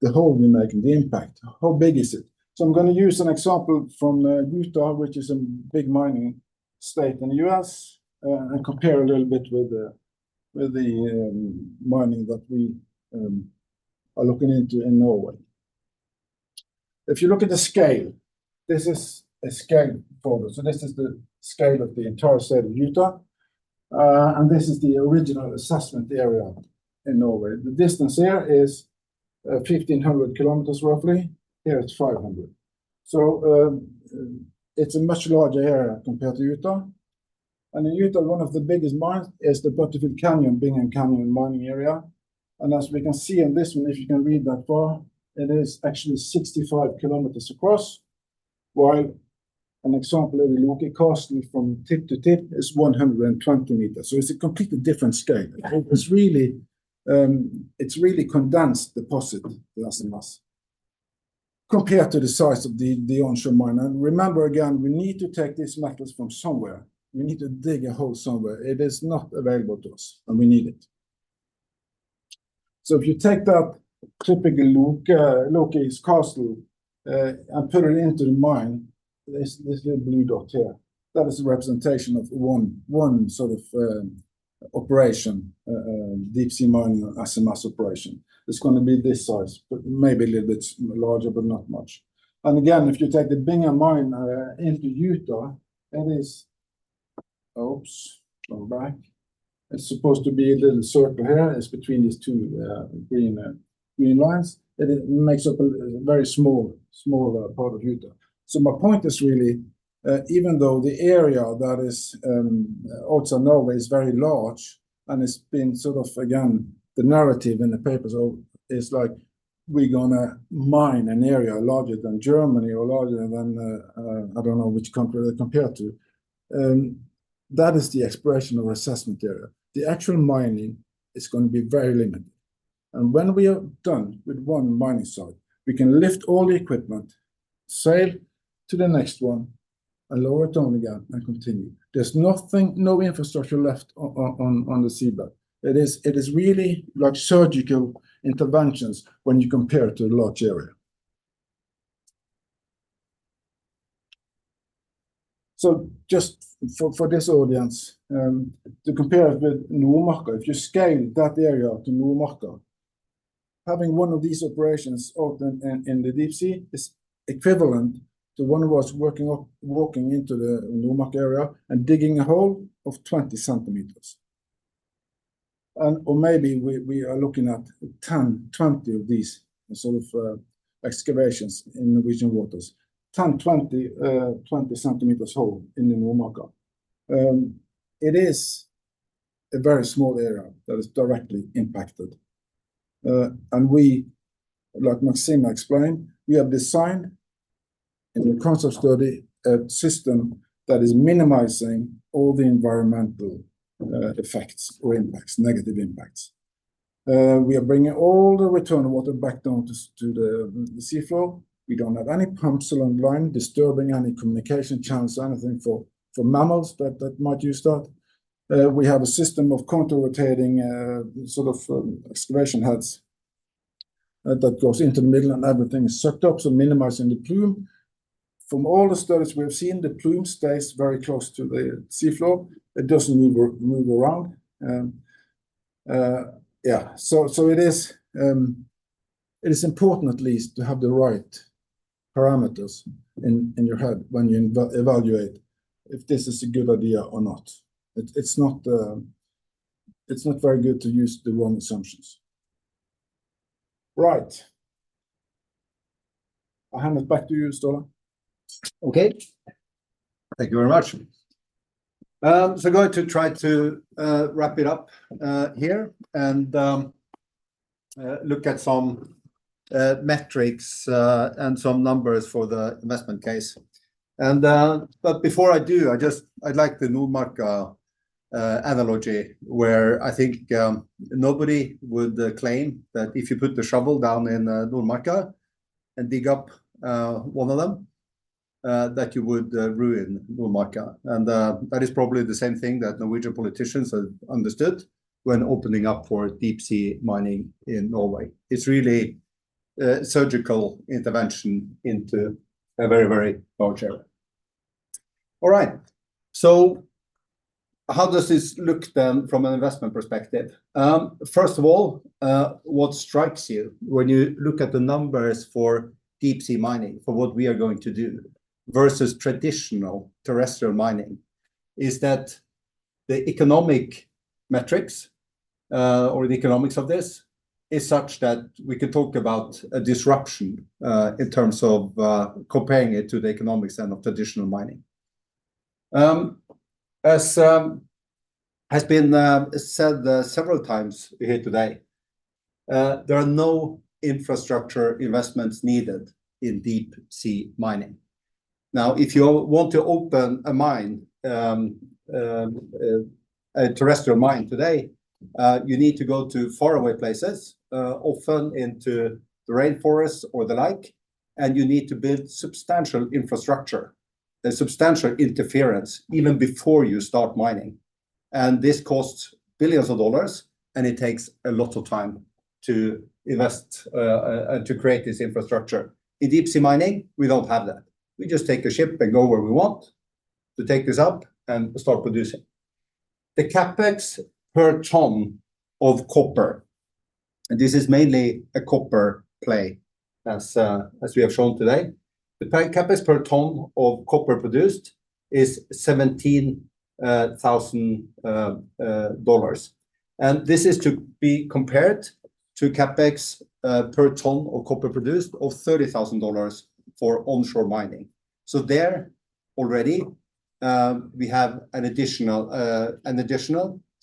Speaker 3: the hole we make and the impact? How big is it? So I'm gonna use an example from Utah, which is a big mining state in the U.S., and compare a little bit with the mining that we are looking into in Norway. If you look at the scale, this is a scale for this. So this is the scale of the entire state of Utah, and this is the original assessment area in Norway. The distance here is 1,500 kilometers roughly. Here, it's 500. So, it's a much larger area compared to Utah. In Utah, one of the biggest mines is the Bingham Canyon Mining area. And as we can see in this one, if you can read that far, it is actually 65 kilometers across. While an example in the Loki's Castle from tip to tip is 120 meters. So it's a completely different scale. It's really, it's really condensed deposit, the SMS, compared to the size of the, the onshore mine. And remember, again, we need to take these metals from somewhere. We need to dig a hole somewhere. It is not available to us, and we need it. So if you take that typical Loki's Castle and put it into the mine, this little blue dot here, that is a representation of one sort of operation, deep sea mining, SMS operation. It's gonna be this size, but maybe a little bit larger, but not much. And again, if you take the Bingham Mine into Utah, that is. Oops, go back. It's supposed to be a little circle here. It's between these two green lines. It makes up a very small part of Utah. So my point is really, even though the area that is also Norway, is very large, and it's been sort of, again, the narrative in the paper, so it's like we're gonna mine an area larger than Germany or larger than, I don't know which country they compare to, that is the expression of assessment area. The actual mining is going to be very limited. And when we are done with one mining site, we can lift all the equipment, sail to the next one, and lower it down again and continue. There's nothing, no infrastructure left on the SeaBird. It is really like surgical interventions when you compare it to a large area. So just for this audience, to compare it with Nordmarka, if you scale that area to Nordmarka, having one of these operations out in the deep sea is equivalent to one of us walking into the Nordmarka area and digging a hole of 20 centimeters. Or maybe we are looking at 10, 20 of these sort of excavations in Norwegian waters, 10, 20 centimeters hole in the Nordmarka. It is a very small area that is directly impacted. And we, like Maxime explained, we have designed, in the concept study, a system that is minimizing all the environmental effects or impacts, negative impacts. We are bringing all the return water back down to the sea floor. We don't have any pumps along the line, disturbing any communication channels or anything for mammals that might use that. We have a system of counter-rotating sort of excavation heads that goes into the middle, and everything is sucked up, so minimizing the plume. From all the studies we've seen, the plume stays very close to the sea floor. It doesn't move around. So it is important at least to have the right parameters in your head when you evaluate if this is a good idea or not. It's not very good to use the wrong assumptions. Right. I hand it back to you, Ståle.
Speaker 1: Okay. Thank you very much. So going to try to wrap it up here, and look at some metrics and some numbers for the investment case. But before I do, I just- I like the Nordmarka analogy, where I think nobody would claim that if you put the shovel down in Nordmarka and dig up one of them that you would ruin Nordmarka. And that is probably the same thing that Norwegian politicians have understood when opening up for deep sea mining in Norway. It's really surgical intervention into a very, very large area. All right, so how does this look then from an investment perspective? First of all, what strikes you when you look at the numbers for deep sea mining, for what we are going to do, versus traditional terrestrial mining?... is that the economic metrics, or the economics of this, is such that we could talk about a disruption, in terms of, comparing it to the economics and of traditional mining. As has been said several times here today, there are no infrastructure investments needed in deep sea mining. Now, if you want to open a mine, a terrestrial mine today, you need to go to faraway places, often into the rainforest or the like, and you need to build substantial infrastructure. There's substantial interference even before you start mining, and this costs billions of dollars, and it takes a lot of time to invest, and to create this infrastructure. In deep sea mining, we don't have that. We just take a ship and go where we want to take this up and start producing. The CapEx per ton of copper, and this is mainly a copper play as, as we have shown today. The CapEx per ton of copper produced is $17,000, and this is to be compared to CapEx, per ton of copper produced of $30,000 for onshore mining. So there already, we have an additional, an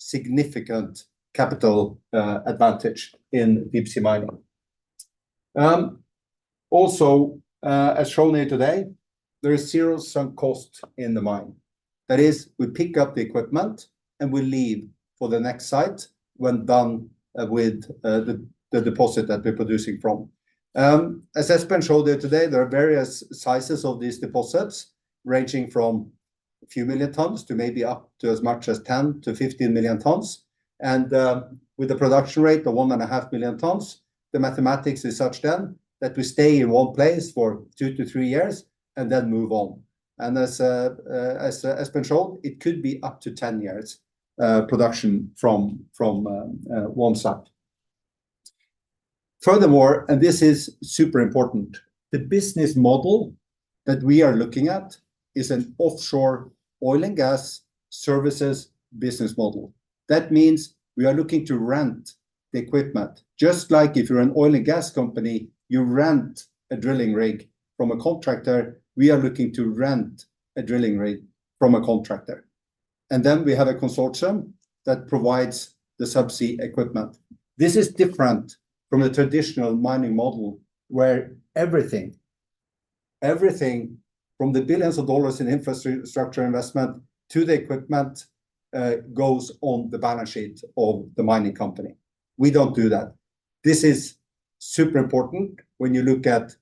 Speaker 1: additional significant capital, advantage in deep sea mining. Also, as shown here today, there is 0 sunk cost in the mine. That is, we pick up the equipment, and we leave for the next site when done with the deposit that we're producing from. As has been showed here today, there are various sizes of these deposits, ranging from a few million tons to maybe up to as much as 10-15 million tons. With the production rate of 1.5 million tons, the mathematics is such then that we stay in one place for two to three years and then move on. As has been shown, it could be up to 10 years production from one site. Furthermore, and this is super important, the business model that we are looking at is an offshore oil and gas services business model. That means we are looking to rent the equipment. Just like if you're an oil and gas company, you rent a drilling rig from a contractor, we are looking to rent a drilling rig from a contractor, and then we have a consortium that provides the subsea equipment. This is different from the traditional mining model, where everything from the billions of dollars in infrastructure investment to the equipment goes on the balance sheet of the mining company. We don't do that. This is super important when you look at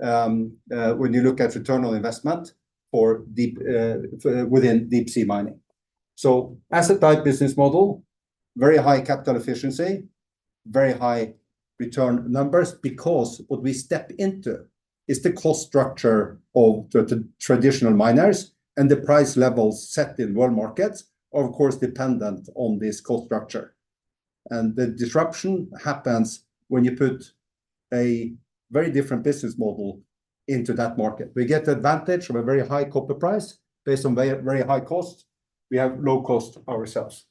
Speaker 1: return on investment for deep within deep sea mining. So asset-light business model, very high capital efficiency, very high return numbers, because what we step into is the cost structure of the traditional miners, and the price levels set in world markets are, of course, dependent on this cost structure. The disruption happens when you put a very different business model into that market. We get the advantage from a very high copper price based on very, very high costs. We have low costs ourselves.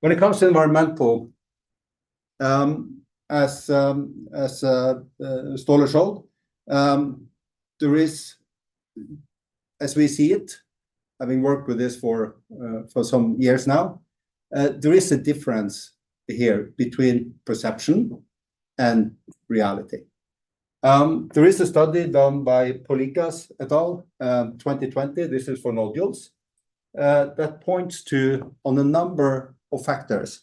Speaker 1: When it comes to environmental, as Ståle showed, there is, as we see it, having worked with this for some years now, there is a difference here between perception and reality. There is a study done by Paulikas et al., 2020, this is for nodules, that points to on a number of factors,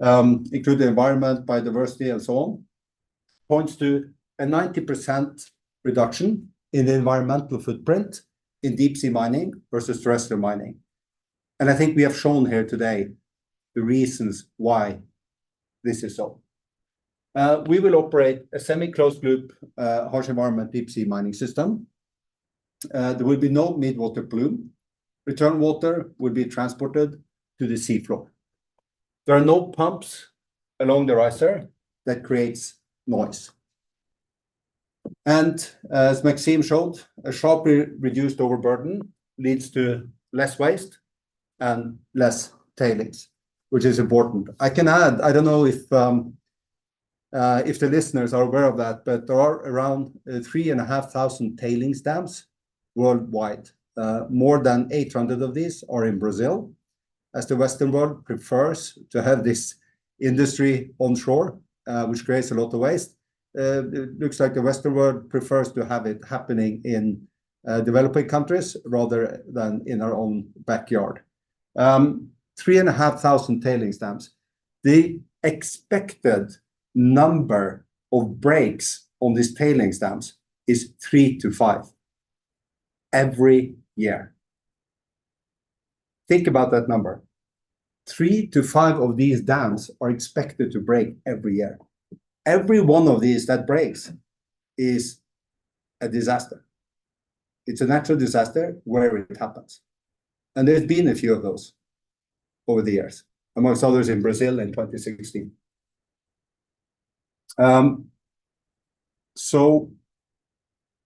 Speaker 1: including environment, biodiversity, and so on, points to a 90% reduction in the environmental footprint in deep sea mining versus terrestrial mining. I think we have shown here today the reasons why this is so. We will operate a semi-closed loop, harsh environment, deep sea mining system. There will be no mid-water plume. Return water will be transported to the sea floor. There are no pumps along the riser that creates noise. And as Maxime showed, a sharply reduced overburden leads to less waste and less tailings, which is important. I can add, I don't know if, if the listeners are aware of that, but there are around 3,500 tailings dams worldwide. More than 800 of these are in Brazil, as the Western world prefers to have this industry onshore, which creates a lot of waste. It looks like the Western world prefers to have it happening in, developing countries rather than in our own backyard. 3,500 tailings dams. The expected number of breaks on these tailings dams is three to five every year. Think about that number. three to five of these dams are expected to break every year. Every one of these that breaks is a disaster. It's a natural disaster wherever it happens, and there's been a few of those over the years, among others, in Brazil in 2016.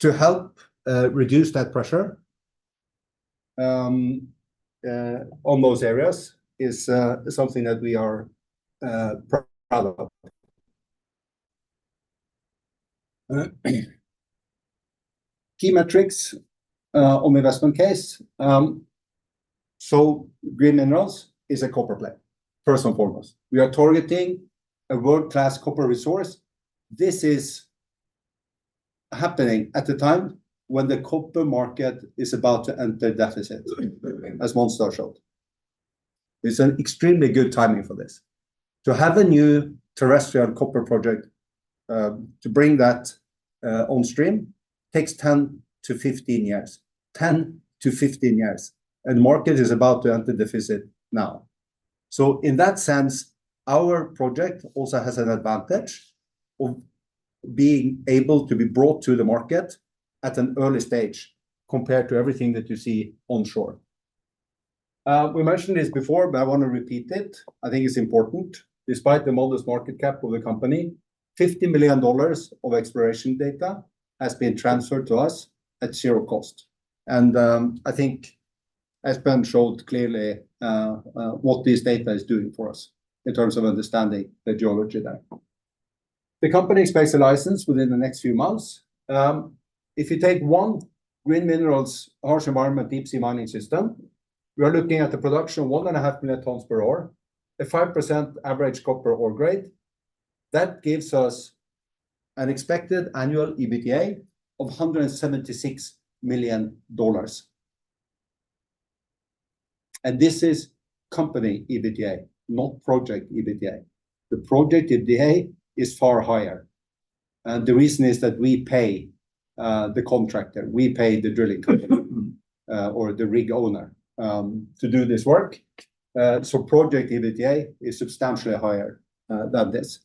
Speaker 1: To help reduce that pressure on those areas is something that we are proud of. Key metrics on investment case. Green Minerals is a copper play, first and foremost. We are targeting a world-class copper resource. This is happening at the time when the copper market is about to enter deficit, as Måns showed. It's an extremely good timing for this. To have a new terrestrial copper project, to bring that on stream takes 10-15 years. 10-15 years, and market is about to enter deficit now. So in that sense, our project also has an advantage of being able to be brought to the market at an early stage compared to everything that you see onshore. We mentioned this before, but I want to repeat it. I think it's important. Despite the modest market cap of the company, $50 million of exploration data has been transferred to us at zero cost. I think as Espen showed clearly, what this data is doing for us in terms of understanding the geology there. The company expects a license within the next few months. If you take one Green Minerals harsh environment deep-sea mining system, we are looking at the production of 1.5 million tons per hour, a 5% average copper ore grade. That gives us an expected annual EBITDA of $176 million. This is company EBITDA, not project EBITDA. The project EBITDA is far higher, and the reason is that we pay the contractor, we pay the drilling company, or the rig owner, to do this work. Project EBITDA is substantially higher than this.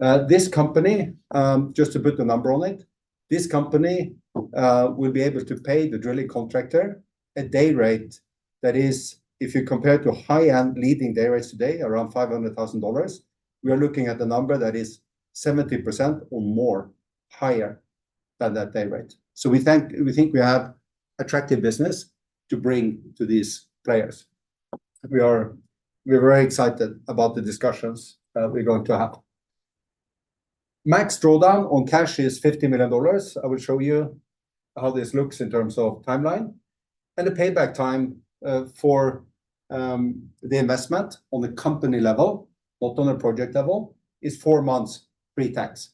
Speaker 1: This company, just to put a number on it, this company, will be able to pay the drilling contractor a day rate that is, if you compare to high-end leading day rates today, around $500,000. We are looking at a number that is 70% or more higher than that day rate. So we think, we think we have attractive business to bring to these players. We are, we are very excited about the discussions, we're going to have. Max drawdown on cash is $50 million. I will show you how this looks in terms of timeline. And the payback time, for the investment on the company level, not on a project level, is four months pre-tax.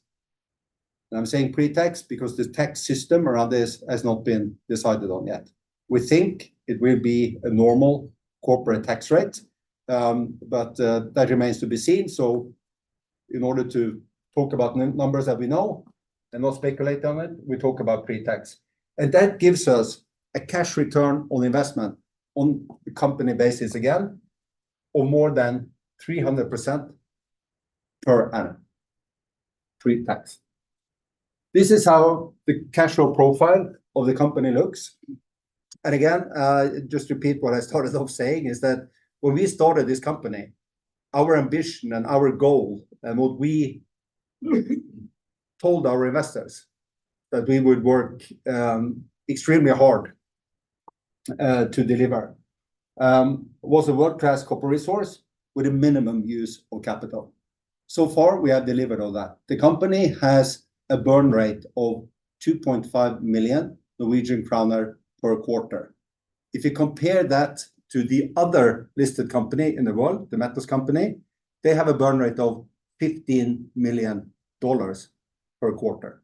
Speaker 1: And I'm saying pre-tax because the tax system around this has not been decided on yet. We think it will be a normal corporate tax rate, but that remains to be seen. So in order to talk about numbers that we know and not speculate on it, we talk about pre-tax. And that gives us a cash return on investment on a company basis again, of more than 300% per annum, pre-tax. This is how the cash flow profile of the company looks. And again, just repeat what I started off saying is that when we started this company, our ambition and our goal, and what we told our investors that we would work extremely hard to deliver, was a world-class copper resource with a minimum use of capital. So far, we have delivered all that. The company has a burn rate of 2.5 million Norwegian kroner per quarter. If you compare that to the other listed company in the world, The Metals Company, they have a burn rate of $15 million per quarter.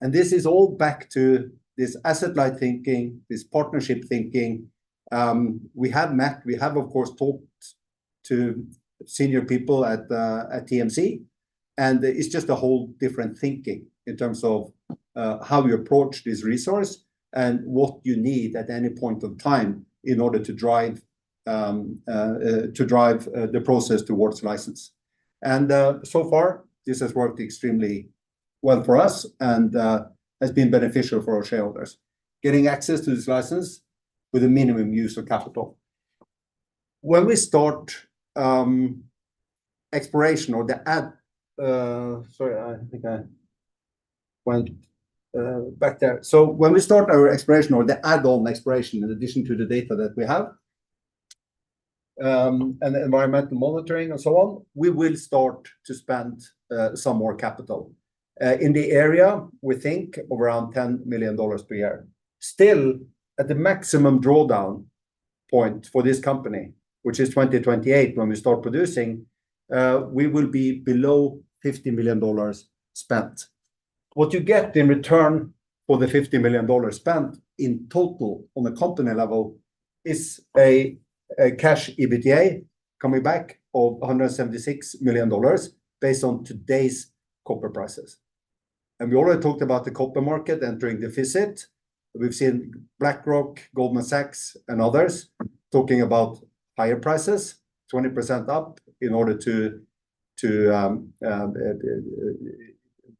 Speaker 1: And this is all back to this asset-light thinking, this partnership thinking. We have, of course, talked to senior people at the, at TMC, and it's just a whole different thinking in terms of, how you approach this resource and what you need at any point of time in order to drive, to drive, the process towards license. And, so far, this has worked extremely well for us and, has been beneficial for our shareholders, getting access to this license with a minimum use of capital. When we start, exploration or the ad- sorry, I think I went, back there. So when we start our exploration or the add-on exploration, in addition to the data that we have, and the environmental monitoring and so on, we will start to spend some more capital. In the area, we think around $10 million per year. Still, at the maximum drawdown point for this company, which is 2028, when we start producing, we will be below $50 million spent. What you get in return for the $50 million spent in total on the company level is a cash EBITDA coming back of $176 million based on today's copper prices. And we already talked about the copper market entering deficit. We've seen BlackRock, Goldman Sachs, and others talking about higher prices, 20% up, in order to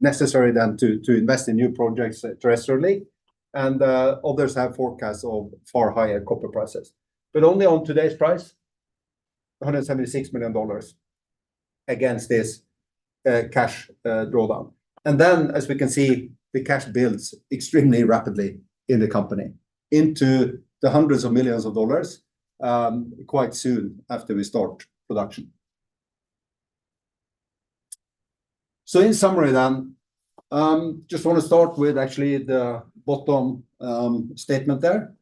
Speaker 1: necessary than to invest in new projects terrestrially, and others have forecasts of far higher copper prices. But only on today's price, $176 million against this cash drawdown. And then, as we can see, the cash builds extremely rapidly in the company into the hundreds of millions of dollars, quite soon after we start production. So in summary then, just wanna start with actually the bottom statement there.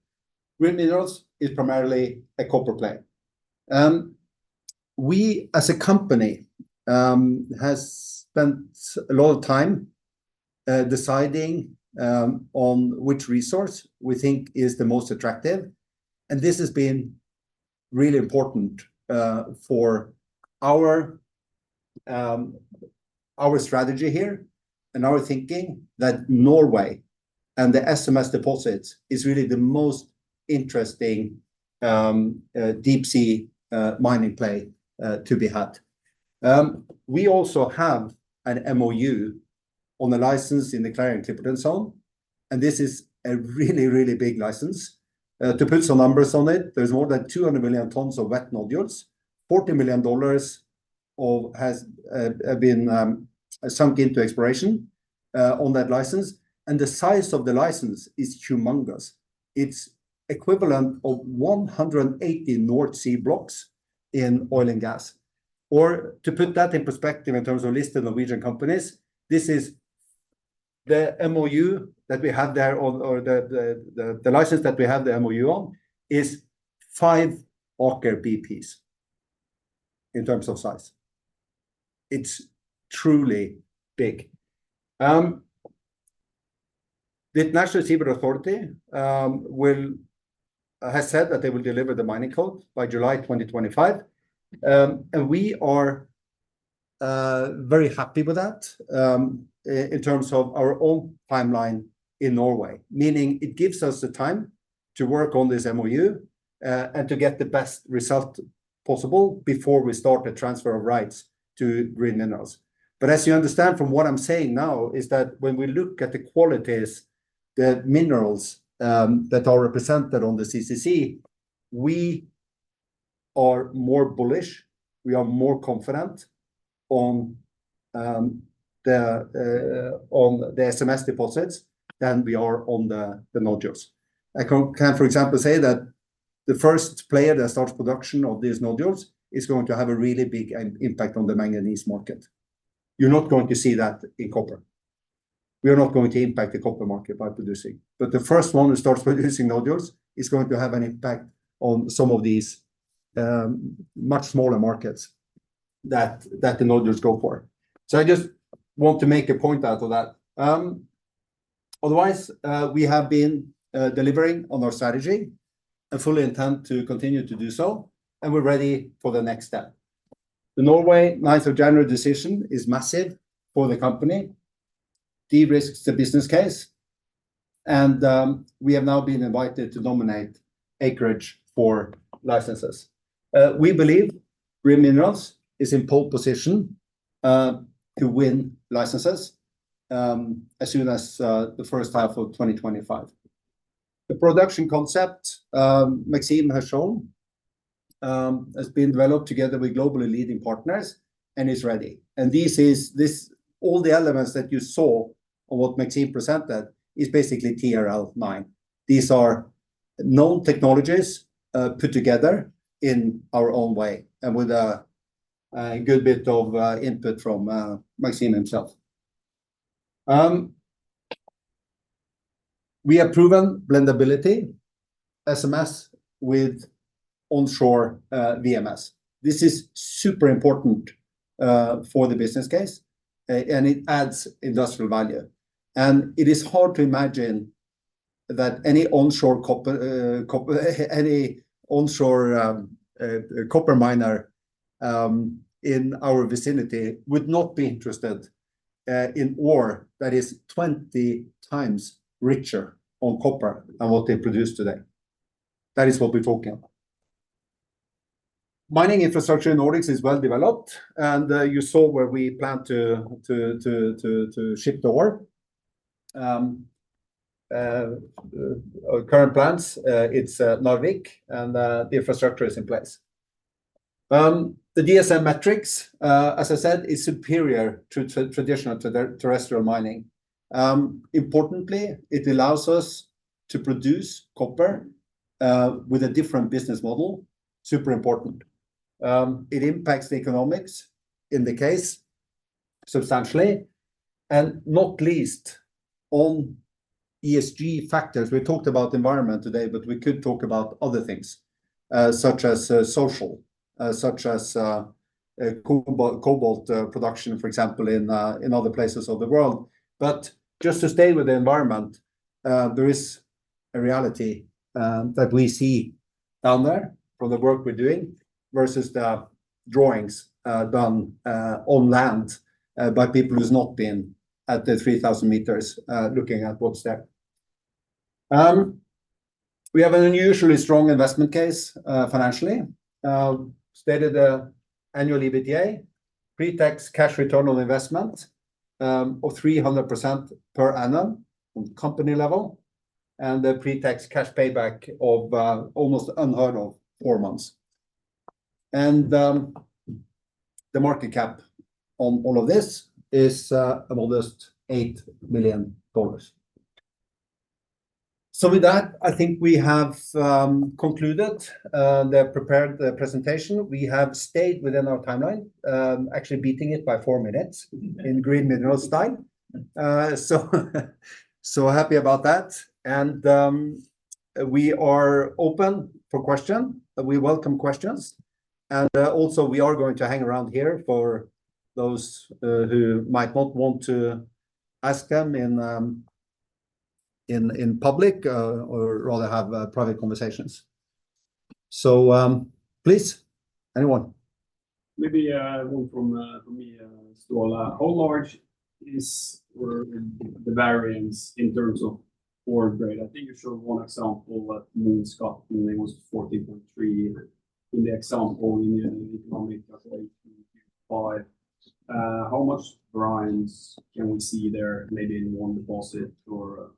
Speaker 1: Green Minerals is primarily a copper play. We, as a company, has spent a lot of time deciding on which resource we think is the most attractive, and this has been really important for our strategy here, and our thinking that Norway and the SMS deposits is really the most interesting deep-sea mining play to be had. We also have an MoU on the license in the Clarion-Clipperton Zone, and this is a really, really big license. To put some numbers on it, there's more than 200 million tons of wet nodules, $40 million has been sunk into exploration on that license, and the size of the license is humongous. It's equivalent of 180 North Sea blocks in oil and gas. Or to put that in perspective in terms of listed Norwegian companies, this is the MoU that we have there, or the license that we have the MoU on, is five Aker BPs in terms of size. It's truly big. The International Seabed Authority has said that they will deliver the mining code by July 2025. We are very happy with that, in terms of our own timeline in Norway, meaning it gives us the time to work on this MoU, and to get the best result possible before we start the transfer of rights to Green Minerals. But as you understand from what I'm saying now, is that when we look at the qualities, the minerals, that are represented on the CCZ, we are more bullish, we are more confident on, the, on the SMS deposits than we are on the, the nodules. I can, for example, say that the first player that starts production of these nodules is going to have a really big, impact on the manganese market. You're not going to see that in copper. We are not going to impact the copper market by producing, but the first one who starts producing nodules is going to have an impact on some of these much smaller markets that the nodules go for. So I just want to make a point out of that. Otherwise, we have been delivering on our strategy and fully intend to continue to do so, and we're ready for the next step. The Norway 9th of January decision is massive for the company, de-risks the business case, and we have now been invited to nominate acreage for licenses. We believe Green Minerals is in pole position to win licenses as soon as the first half of 2025. The production concept Maxime has shown has been developed together with globally leading partners and is ready. And this is, all the elements that you saw on what Maxime presented is basically TRL 9. These are known technologies put together in our own way and with a good bit of input from Maxime himself. We have proven blendability SMS with onshore VMS. This is super important for the business case, and it adds industrial value. It is hard to imagine that any onshore copper miner in our vicinity would not be interested in ore that is 20 times richer on copper than what they produce today. That is what we're talking about. Mining infrastructure in Nordics is well developed, and you saw where we plan to ship the ore. Our current plans, it's Narvik, and the infrastructure is in place. The DSM metrics, as I said, is superior to traditional terrestrial mining. Importantly, it allows us to produce copper with a different business model, super important. It impacts the economics in the case substantially, and not least on ESG factors. We talked about the environment today, but we could talk about other things, such as social, such as cobalt production, for example, in other places of the world. But just to stay with the environment, there is a reality that we see down there from the work we're doing versus the drawings done on land by people who's not been at the 3,000 meters looking at what's there.... We have an unusually strong investment case, financially. Stated annual EBITDA, pre-tax cash return on investment, of 300% per annum on company level, and a pre-tax cash payback of, almost unheard of, four months. And, the market cap on all of this is, almost $8 million. So with that, I think we have, concluded, the prepared, the presentation. We have stayed within our timeline, actually beating it by foufour minutes - in Green Minerals time. So, so happy about that. And, we are open for question. We welcome questions, and, also we are going to hang around here for those, who might not want to ask them in, in, in public, or rather have, private conversations. So, please, anyone.
Speaker 5: Maybe, one from from me, Ståle. How large is the variance in terms of ore grade? I think you showed one example that Måns got, and it was 14.3 in the example in the economic calculation by, how much variance can we see there, maybe in one deposit or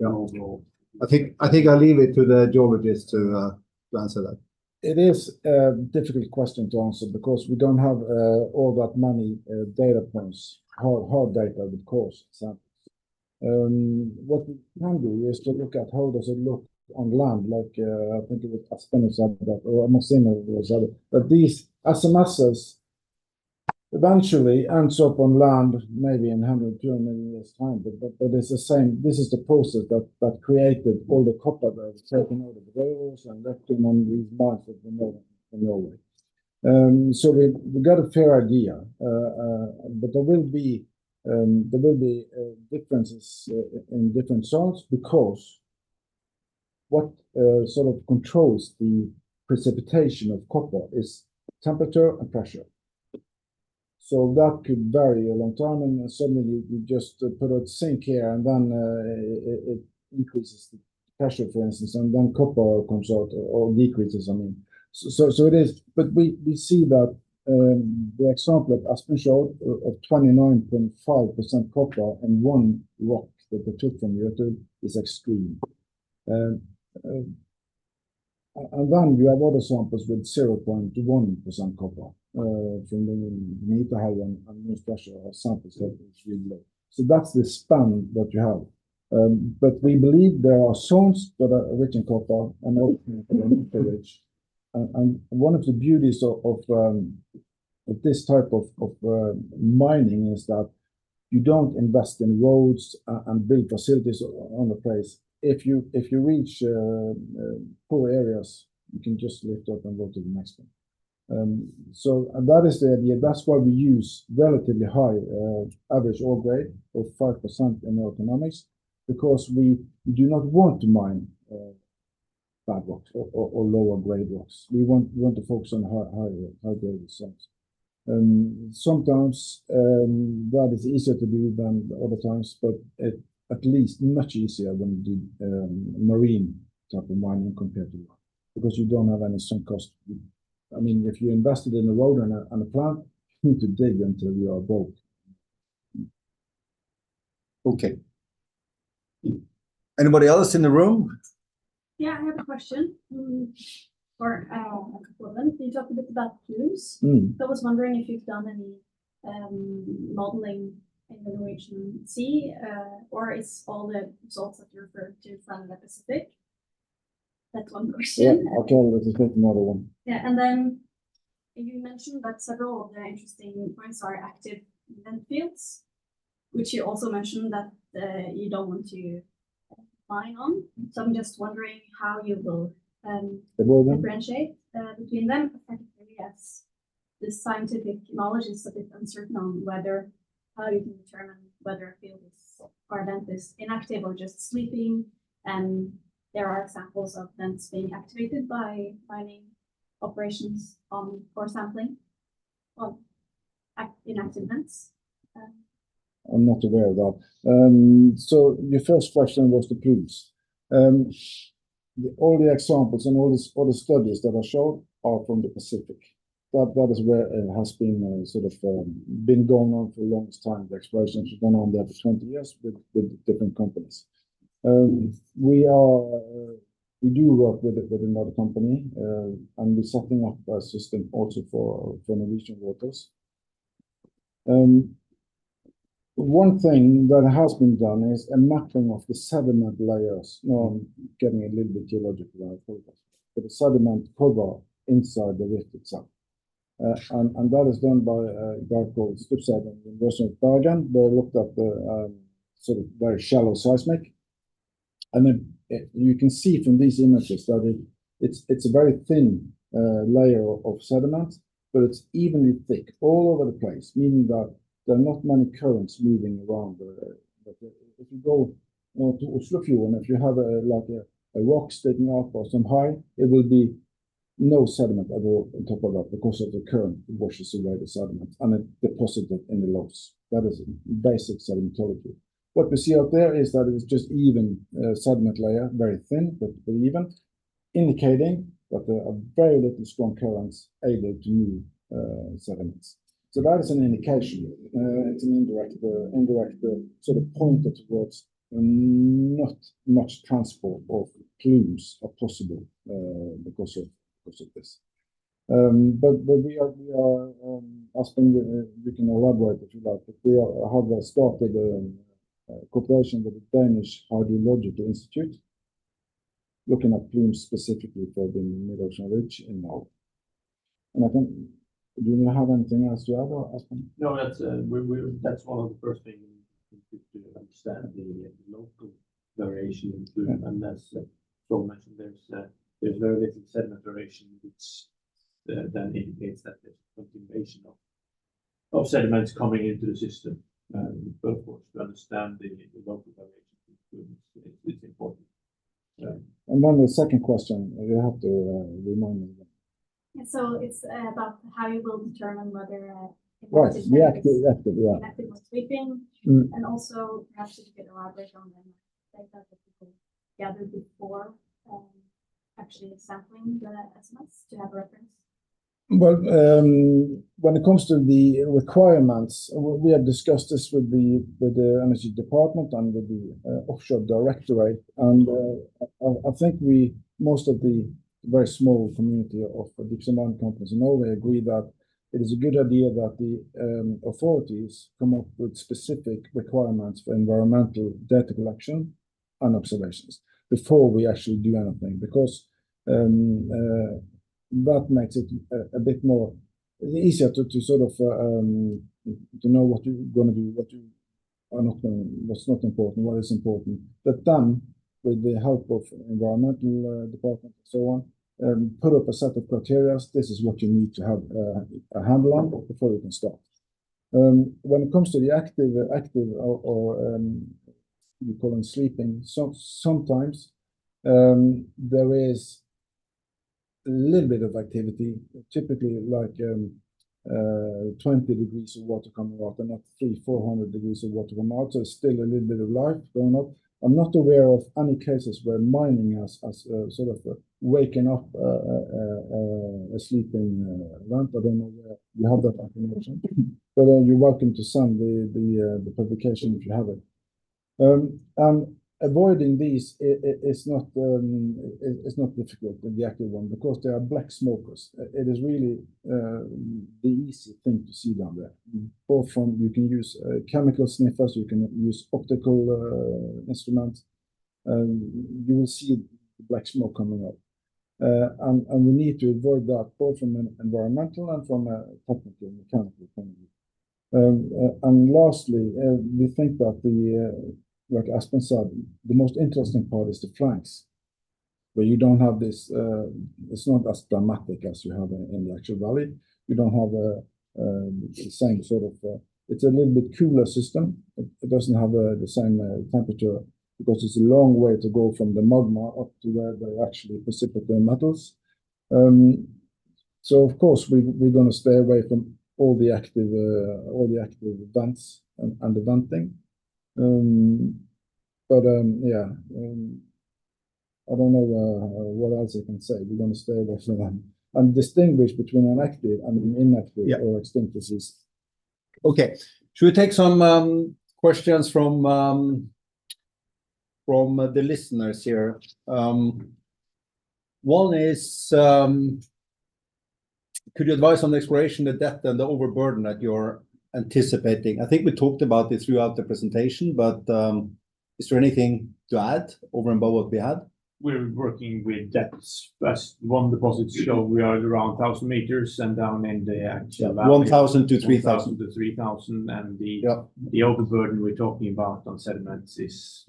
Speaker 5: general?
Speaker 1: I think, I think I'll leave it to the geologists to, to answer that.
Speaker 3: It is a difficult question to answer because we don't have all that many data points, hard, hard data, of course. So, what we can do is to look at how does it look on land, like, I think it was Espen example or Maxime example. But these SMS masses eventually ends up on land, maybe in 100-200 million years' time. But it's the same this is the process that created all the copper that is taken out of the rails and left them on these mines in Norway. So we got a fair idea. But there will be differences in different zones, because what sort of controls the precipitation of copper is temperature and pressure. So that could vary a long time, and suddenly you just put out zinc here, and then it increases the pressure, for instance, and then copper comes out or decreases, I mean. So it is. But we see that the example of Espen showed of 29.5% copper in one rock that they took from the earth is extreme. And then we have other samples with 0.1% copper from the need to have a new special sample. So that's the span that you have. But we believe there are zones that are rich in copper and other minerals. And one of the beauties of this type of mining is that you don't invest in roads and build facilities on the place. If you reach poor areas, you can just lift up and go to the next one. And that is the idea. That's why we use relatively high average ore grade of 5% in the economics, because we do not want to mine bad rocks or lower grade rocks. We want to focus on high-grade zones. Sometimes that is easier to do than other times, but at least much easier when you do marine type of mining compared to rock, because you don't have any sunk cost. I mean, if you invested in a road and a plant, you need to dig until you are broke.
Speaker 1: Okay. Anybody else in the room?
Speaker 5: Yeah, I have a question or a couple of them. You talked a bit about plumes I was wondering if you've done any modeling in the Norwegian Sea, or is all the results that you referred to from the Pacific? That's one question.
Speaker 1: Yeah. Okay, let's just take another one.
Speaker 5: Yeah. And then you mentioned that several of the interesting points are active vent fields, which you also mentioned that you don't want to mine on. So I'm just wondering how you will? The vent fields? differentiate between them. Particularly as the scientific knowledge is a bit uncertain on whether, how you can determine whether a field is or a vent is inactive or just sleeping. There are examples of vents being activated by mining operations on core sampling on inactive vents.
Speaker 3: I'm not aware of that. So your first question was the blues. All the examples and all the, all the studies that I showed are from the Pacific. That, that is where it has been, sort of, been going on for the longest time. The exploration has been going on there for 20 years with, with different companies. We are- we do work with, with another company, and we're setting up a system also for, for Norwegian waters. One thing that has been done is a mapping of the sediment layers. Now, I'm getting a little bit geological, I thought, but the sediment cover inside the rift itself. And, and that is done by a guy called Stalsberg and the University of Bergen. They looked at the, sort of very shallow seismic. You can see from these images that it's a very thin layer of sediment, but it's evenly thick all over the place, meaning that there are not many currents moving around there. But if you go towards the fjord, if you have like a rock sticking up or some high, it will be no sediment at all on top of that because the current washes away the sediment, and it deposit it in the lows. That is basic sedimentology. What we see out there is that it is just even sediment layer, very thin, but even, indicating that there are very little strong currents able to move sediments. So that is an indication, it's an indirect indirect sort of point that towards not much transport of plumes are possible, because of this. Espen, we can elaborate a bit about that. We have started a cooperation with the Danish Hydraulic Institute, looking at plumes specifically for the Mid-Ocean Ridge and now. And I think, do you have anything else to add or, Espen?
Speaker 4: No, that's one of the first thing to understand the local variation in plume. And as Ståle mentioned, there's very little sediment variation, which then indicates that there's continuation of sediments coming into the system. But for us to understand the local variation, it's important.
Speaker 3: And then the second question, you have to remind me again.
Speaker 5: It's about how you will determine whether -
Speaker 3: Yes. Yeah, active.
Speaker 5: -active or sleeping. Also, perhaps if you could elaborate on the data that you gathered before, actually sampling the SMS to have a reference?
Speaker 3: Well, when it comes to the requirements, we have discussed this with the, with the Energy Department and with the, Offshore Directorate. And, I think we, most of the very small community of deep sea mining companies know and agree that it is a good idea that the, authorities come up with specific requirements for environmental data collection and observations before we actually do anything. Because, that makes it a, a bit more easier to, to sort of, to know what you're gonna do, what you are not going, what's not important, what is important. But then, with the help of environmental, department and so on, put up a set of criteria, this is what you need to have, a handle on before you can start. When it comes to the active, active or, you call them sleeping, sometimes, there is a little bit of activity, typically like, 20 degrees of water coming out and not 300-400 degrees of water coming out. So still a little bit of light going up. I'm not aware of any cases where mining has, has, sort of waking up, a sleeping, vent. I don't know where you have that information, but, you're welcome to send the, the, the publication if you have it. And avoiding these it's not, difficult with the active one, because they are black smokers. It is really, the easy thing to see down there. You can use chemical sniffers, you can use optical instruments, you will see black smoke coming up. And we need to avoid that, both from an environmental and from a technical and mechanical point of view. And lastly, we think that the, like Espen said, the most interesting part is the flanks, where you don't have this, it's not as dramatic as you have in the actual valley. You don't have a same sort of, it's a little bit cooler system. It doesn't have the same temperature because it's a long way to go from the magma up to where they actually precipitate their metals. So of course, we're gonna stay away from all the active vents and the venting. I don't know what else I can say. We're gonna stay away from them and distinguish between an active and an inactive-Yeah.. or extinct system.
Speaker 1: Okay. Should we take some questions from the listeners here? One is: Could you advise on the exploration, the depth, and the overburden that you're anticipating? I think we talked about this throughout the presentation, but is there anything to add over and above what we had?
Speaker 4: We're working with depths as one deposit shows, we are around 1,000 meters, and down in the actual valley-
Speaker 1: 1,000-3,000.
Speaker 4: 1,000-3,000.Yeah... the overburden we're talking about on sediments is,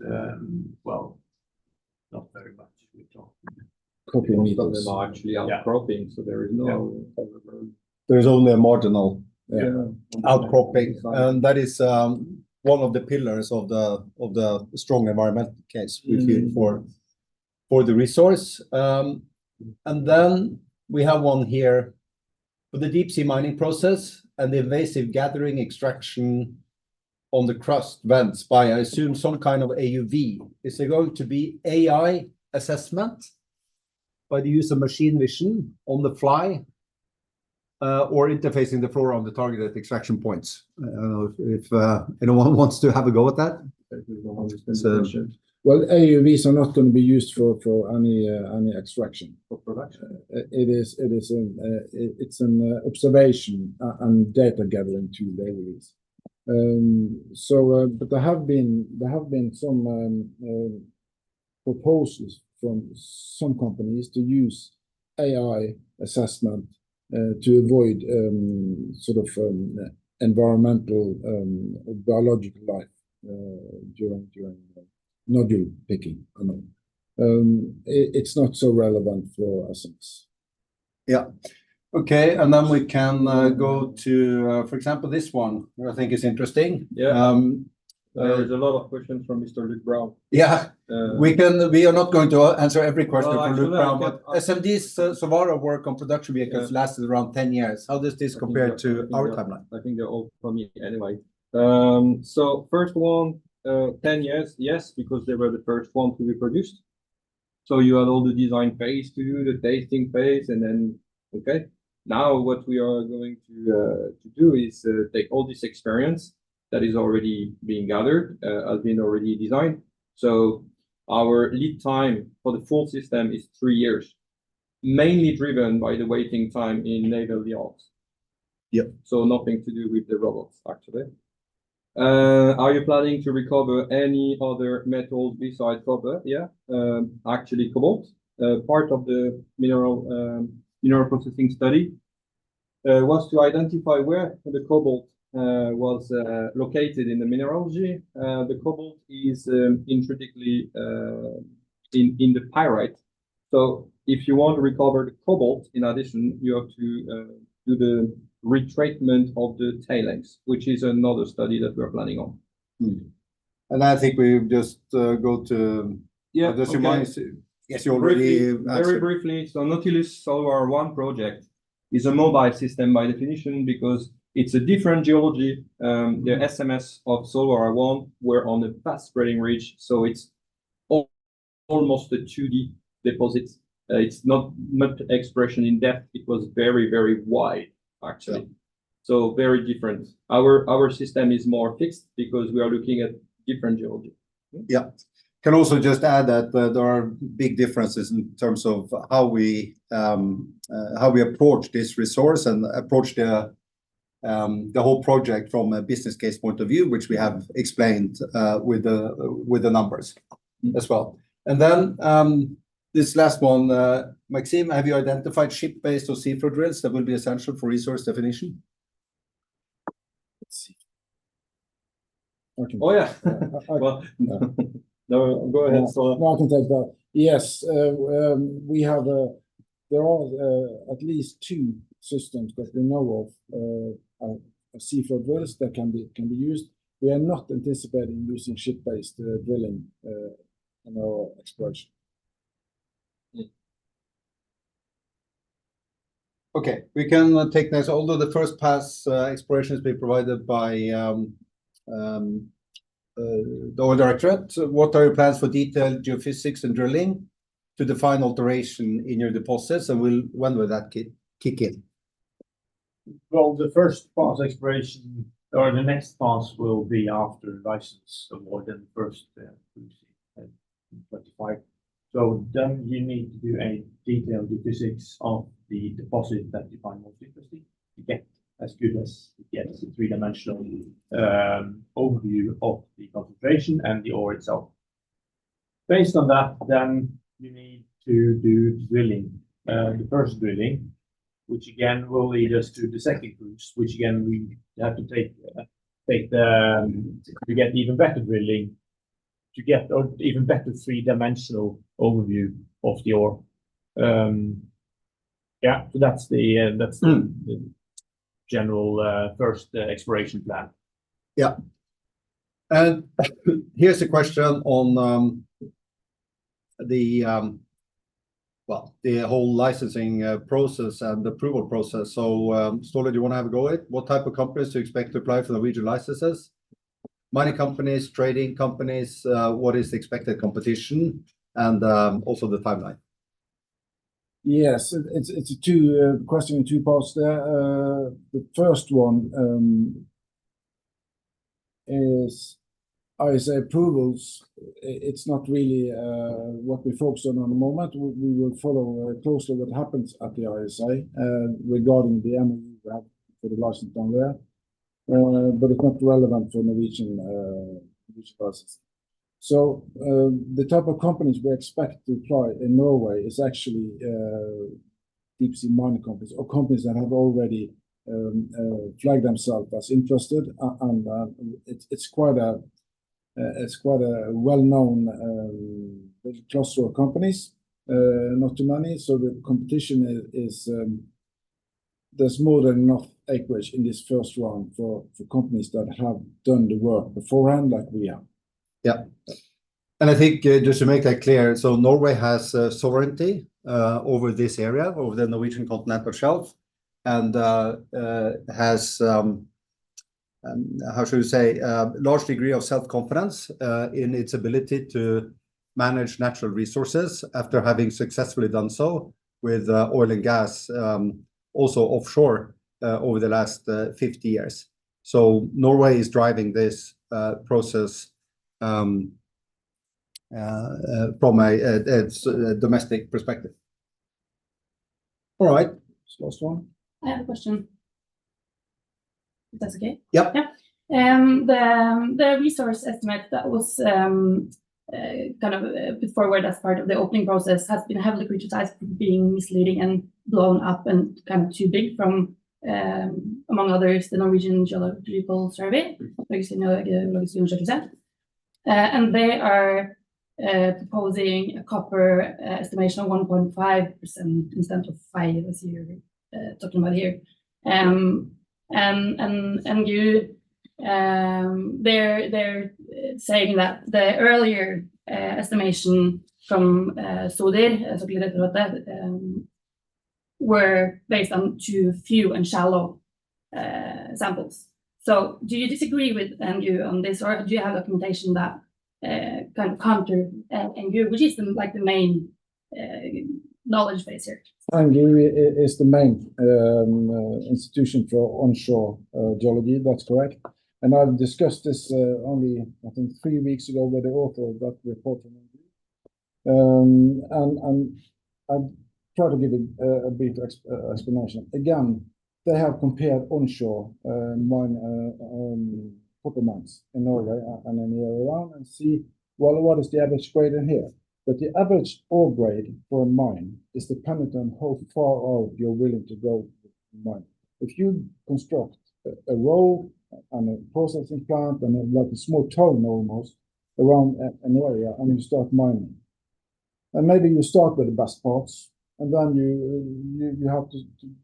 Speaker 4: well, not very much.
Speaker 3: Couple of meters.
Speaker 4: Yeah.
Speaker 3: They're largely outcropping, so there is no overburden.
Speaker 1: There is only a marginal outcropping. That is one of the pillars of the strong environmental case we feel for the resource. And then we have one here: For the deep-sea mining process and the invasive gathering extraction on the crust vents by, I assume, some kind of AUV, is there going to be AI assessment by the use of machine vision on the fly, or interfacing the floor on the targeted extraction points? I don't know if anyone wants to have a go at that? You want to start this one?
Speaker 3: Well, AUVs are not going to be used for any extraction.
Speaker 4: For production.
Speaker 3: It is an observation and data gathering tool, AUVs. So, but there have been some proposals from some companies to use AI assessment to avoid sort of environmental biological life during nodule picking. I know, it's not so relevant for us.
Speaker 1: Yeah. Okay, and then we can go to, for example, this one, which I think is interesting.
Speaker 3: Yeah.
Speaker 6: There is a lot of questions from Mr. Luke Brown.
Speaker 1: Yeah. We are not going to answer every question from Luke Brown.
Speaker 6: Well, actually.
Speaker 1: SMD's Solwara 1 work on production vehicles lasted around 10 years. How does this compare to our timeline?
Speaker 6: I think they're all for me anyway. So first one, 10 years. Yes, because they were the first ones to be produced. So you had all the design phase to do, the testing phase, and then, okay, now what we are going to do is to take all this experience that is already being gathered, has been already designed. So our lead time for the full system is three years, mainly driven by the waiting time in naval yards.
Speaker 1: Yep.
Speaker 6: So nothing to do with the robots, actually. Are you planning to recover any other metals besides copper? Yeah. Actually, cobalt. Part of the mineral, mineral processing study, was to identify where the cobalt, was, located in the mineralogy. The cobalt is, intrinsically, in, in the pyrite. So if you want to recover the cobalt, in addition, you have to, do the retreatment of the tailings, which is another study that we are planning on.
Speaker 1: And I think we just go to. I guess you already...
Speaker 6: Very briefly. So Nautilus Solwara 1 project is a mobile system by definition, because it's a different geology. The SMS of Solwara 1 were on a fast-spreading ridge, so it's almost a 2D deposit. It's not much expression in depth. It was very, very wide, actually.
Speaker 1: Yeah.
Speaker 6: So very different. Our system is more fixed because we are looking at different geology.
Speaker 1: Yeah. Can also just add that there are big differences in terms of how we, how we approach this resource and approach the, the whole project from a business case point of view, which we have explained, with the, with the numbers as well. And then, this last one, Maxime, have you identified ship-based or seafloor drills that will be essential for resource definition?
Speaker 6: Let's see.
Speaker 1: Okay.
Speaker 6: Oh, yeah. Well...No, go ahead, Ståle.
Speaker 3: No, I can take that. Yes, there are at least two systems that we know of of seafloor drills that can be used. We are not anticipating using ship-based drilling in our exploration.
Speaker 6: Yeah.
Speaker 1: Okay, we can take this. Although the first pass exploration has been provided by the Norwegian Offshore Directorate, what are your plans for detailed geophysics and drilling to define alteration in your deposits, and when will that kick in?
Speaker 6: Well, the first pass exploration or the next pass will be after license award, then first 25. So then you need to do a detailed geophysics of the deposit that you find most interesting to get as good as you get as a three-dimensional overview of the concentration and the ore itself. Based on that, then you need to do drilling. The first drilling, which again will lead us to the second cruise, which again we have to take to get even better drilling, to get an even better three-dimensional overview of the ore. Yeah, that's the general, first exploration plan.
Speaker 1: Yeah. And here's a question on the whole licensing process and approval process. So, Ståle, do you want to have a go at it? What type of companies do you expect to apply for the region licenses? Mining companies, trading companies, what is the expected competition and also the timeline?
Speaker 3: Yes, it's a two question in two parts there. The first one is ISA approvals. It's not really what we focus on at the moment. We will follow very closely what happens at the ISA regarding the MoU we have for the license down there, but it's not relevant for Norwegian process. So, the type of companies we expect to apply in Norway is actually deep-sea mining companies or companies that have already flagged themselves as interested. And it's quite a well-known cluster of companies, not too many, so the competition is, there's more than enough acreage in this first round for companies that have done the work beforehand, like we have.
Speaker 1: Yeah. And I think, just to make that clear, so Norway has sovereignty over this area, over the Norwegian continental shelf, and has how should we say? large degree of self-confidence in its ability to manage natural resources after having successfully done so with oil and gas, also offshore, over the last 50 years. So Norway is driving this process from a domestic perspective. All right, this last one.
Speaker 5: I have a question, if that's okay.
Speaker 1: Yep.
Speaker 5: Yeah. The resource estimate that was kind of put forward as part of the opening process has been heavily criticized for being misleading and blown up and kind of too big from, among others, the Norwegian Geological Survey. And they are proposing a copper estimation of 1.5% instead of 5%, as you're talking about here. And NGU, they're saying that the earlier estimation from SODIR, as we read about that, were based on too few and shallow samples. So do you disagree with NGU on this, or do you have a recommendation that kind of counter NGU, which is, like, the main knowledge base here?
Speaker 3: NGU is the main institution for onshore geology. That's correct. And I've discussed this only, I think, three weeks ago with the author of that report from NGU. And I'll try to give a brief explanation. Again, they have compared onshore mine copper mines in Norway and in the around and see, well, what is the average grade in here? But the average ore grade for a mine is dependent on how far out you're willing to go to mine. If you construct a road and a processing plant and a, like, a small town almost around an area, and you start mining, and maybe you start with the best parts, and then you have to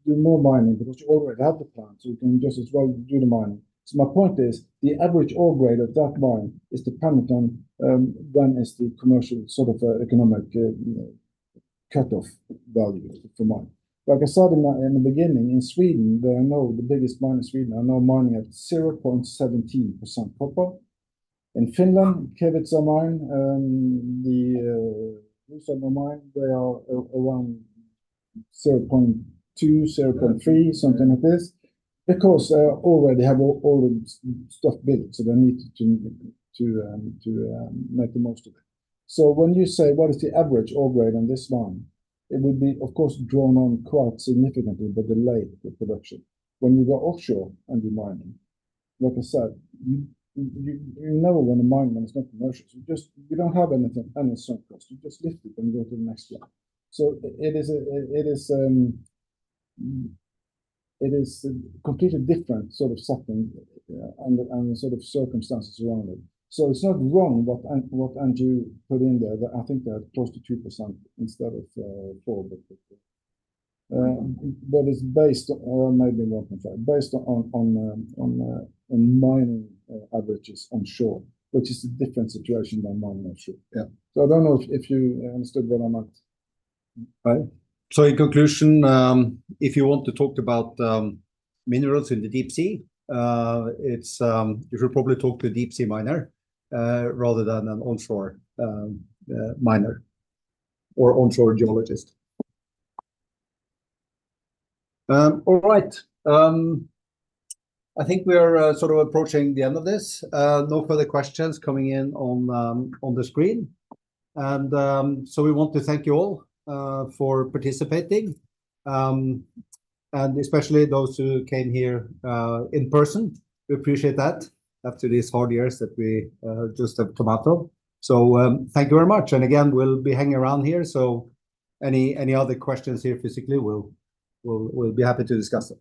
Speaker 3: do more mining because you already have the plant, so you can just as well do the mining. So my point is, the average ore grade of that mine is dependent on when is the commercial, sort of, economic cut-off value for mine. Like I said, in the beginning, in Sweden, the biggest mine in Sweden are now mining at 0.17% copper. In Finland, Kevitsa mine, the Luossavaara mine, they are around 0.2-0.3, something like this, because already they have all the stuff built, so they need to make the most of it. So when you say, what is the average ore grade on this mine, it would be, of course, drawn on quite significantly, but delayed the production. When you go offshore and do mining, like I said, you never want to mine when it's not commercial. You don't have anything, any sunk cost. You just lift it and go to the next one. So it is a, it is a completely different sort of something, and sort of circumstances around it. So it's not wrong, what NGU put in there. I think they are close to 2% instead of four. But it's based on maybe 1.5, based on on mining averages onshore, which is a different situation than mining offshore. Yeah. So I don't know if you understood where I'm at, right?
Speaker 1: So in conclusion, if you want to talk about minerals in the deep sea, it's you should probably talk to a deep sea miner rather than an onshore miner or onshore geologist. All right. I think we are sort of approaching the end of this. No further questions coming in on the screen, and so we want to thank you all for participating, and especially those who came here in person. We appreciate that after these hard years that we just have come out of. So thank you very much, and again, we'll be hanging around here, so any other questions here physically, we'll be happy to discuss them.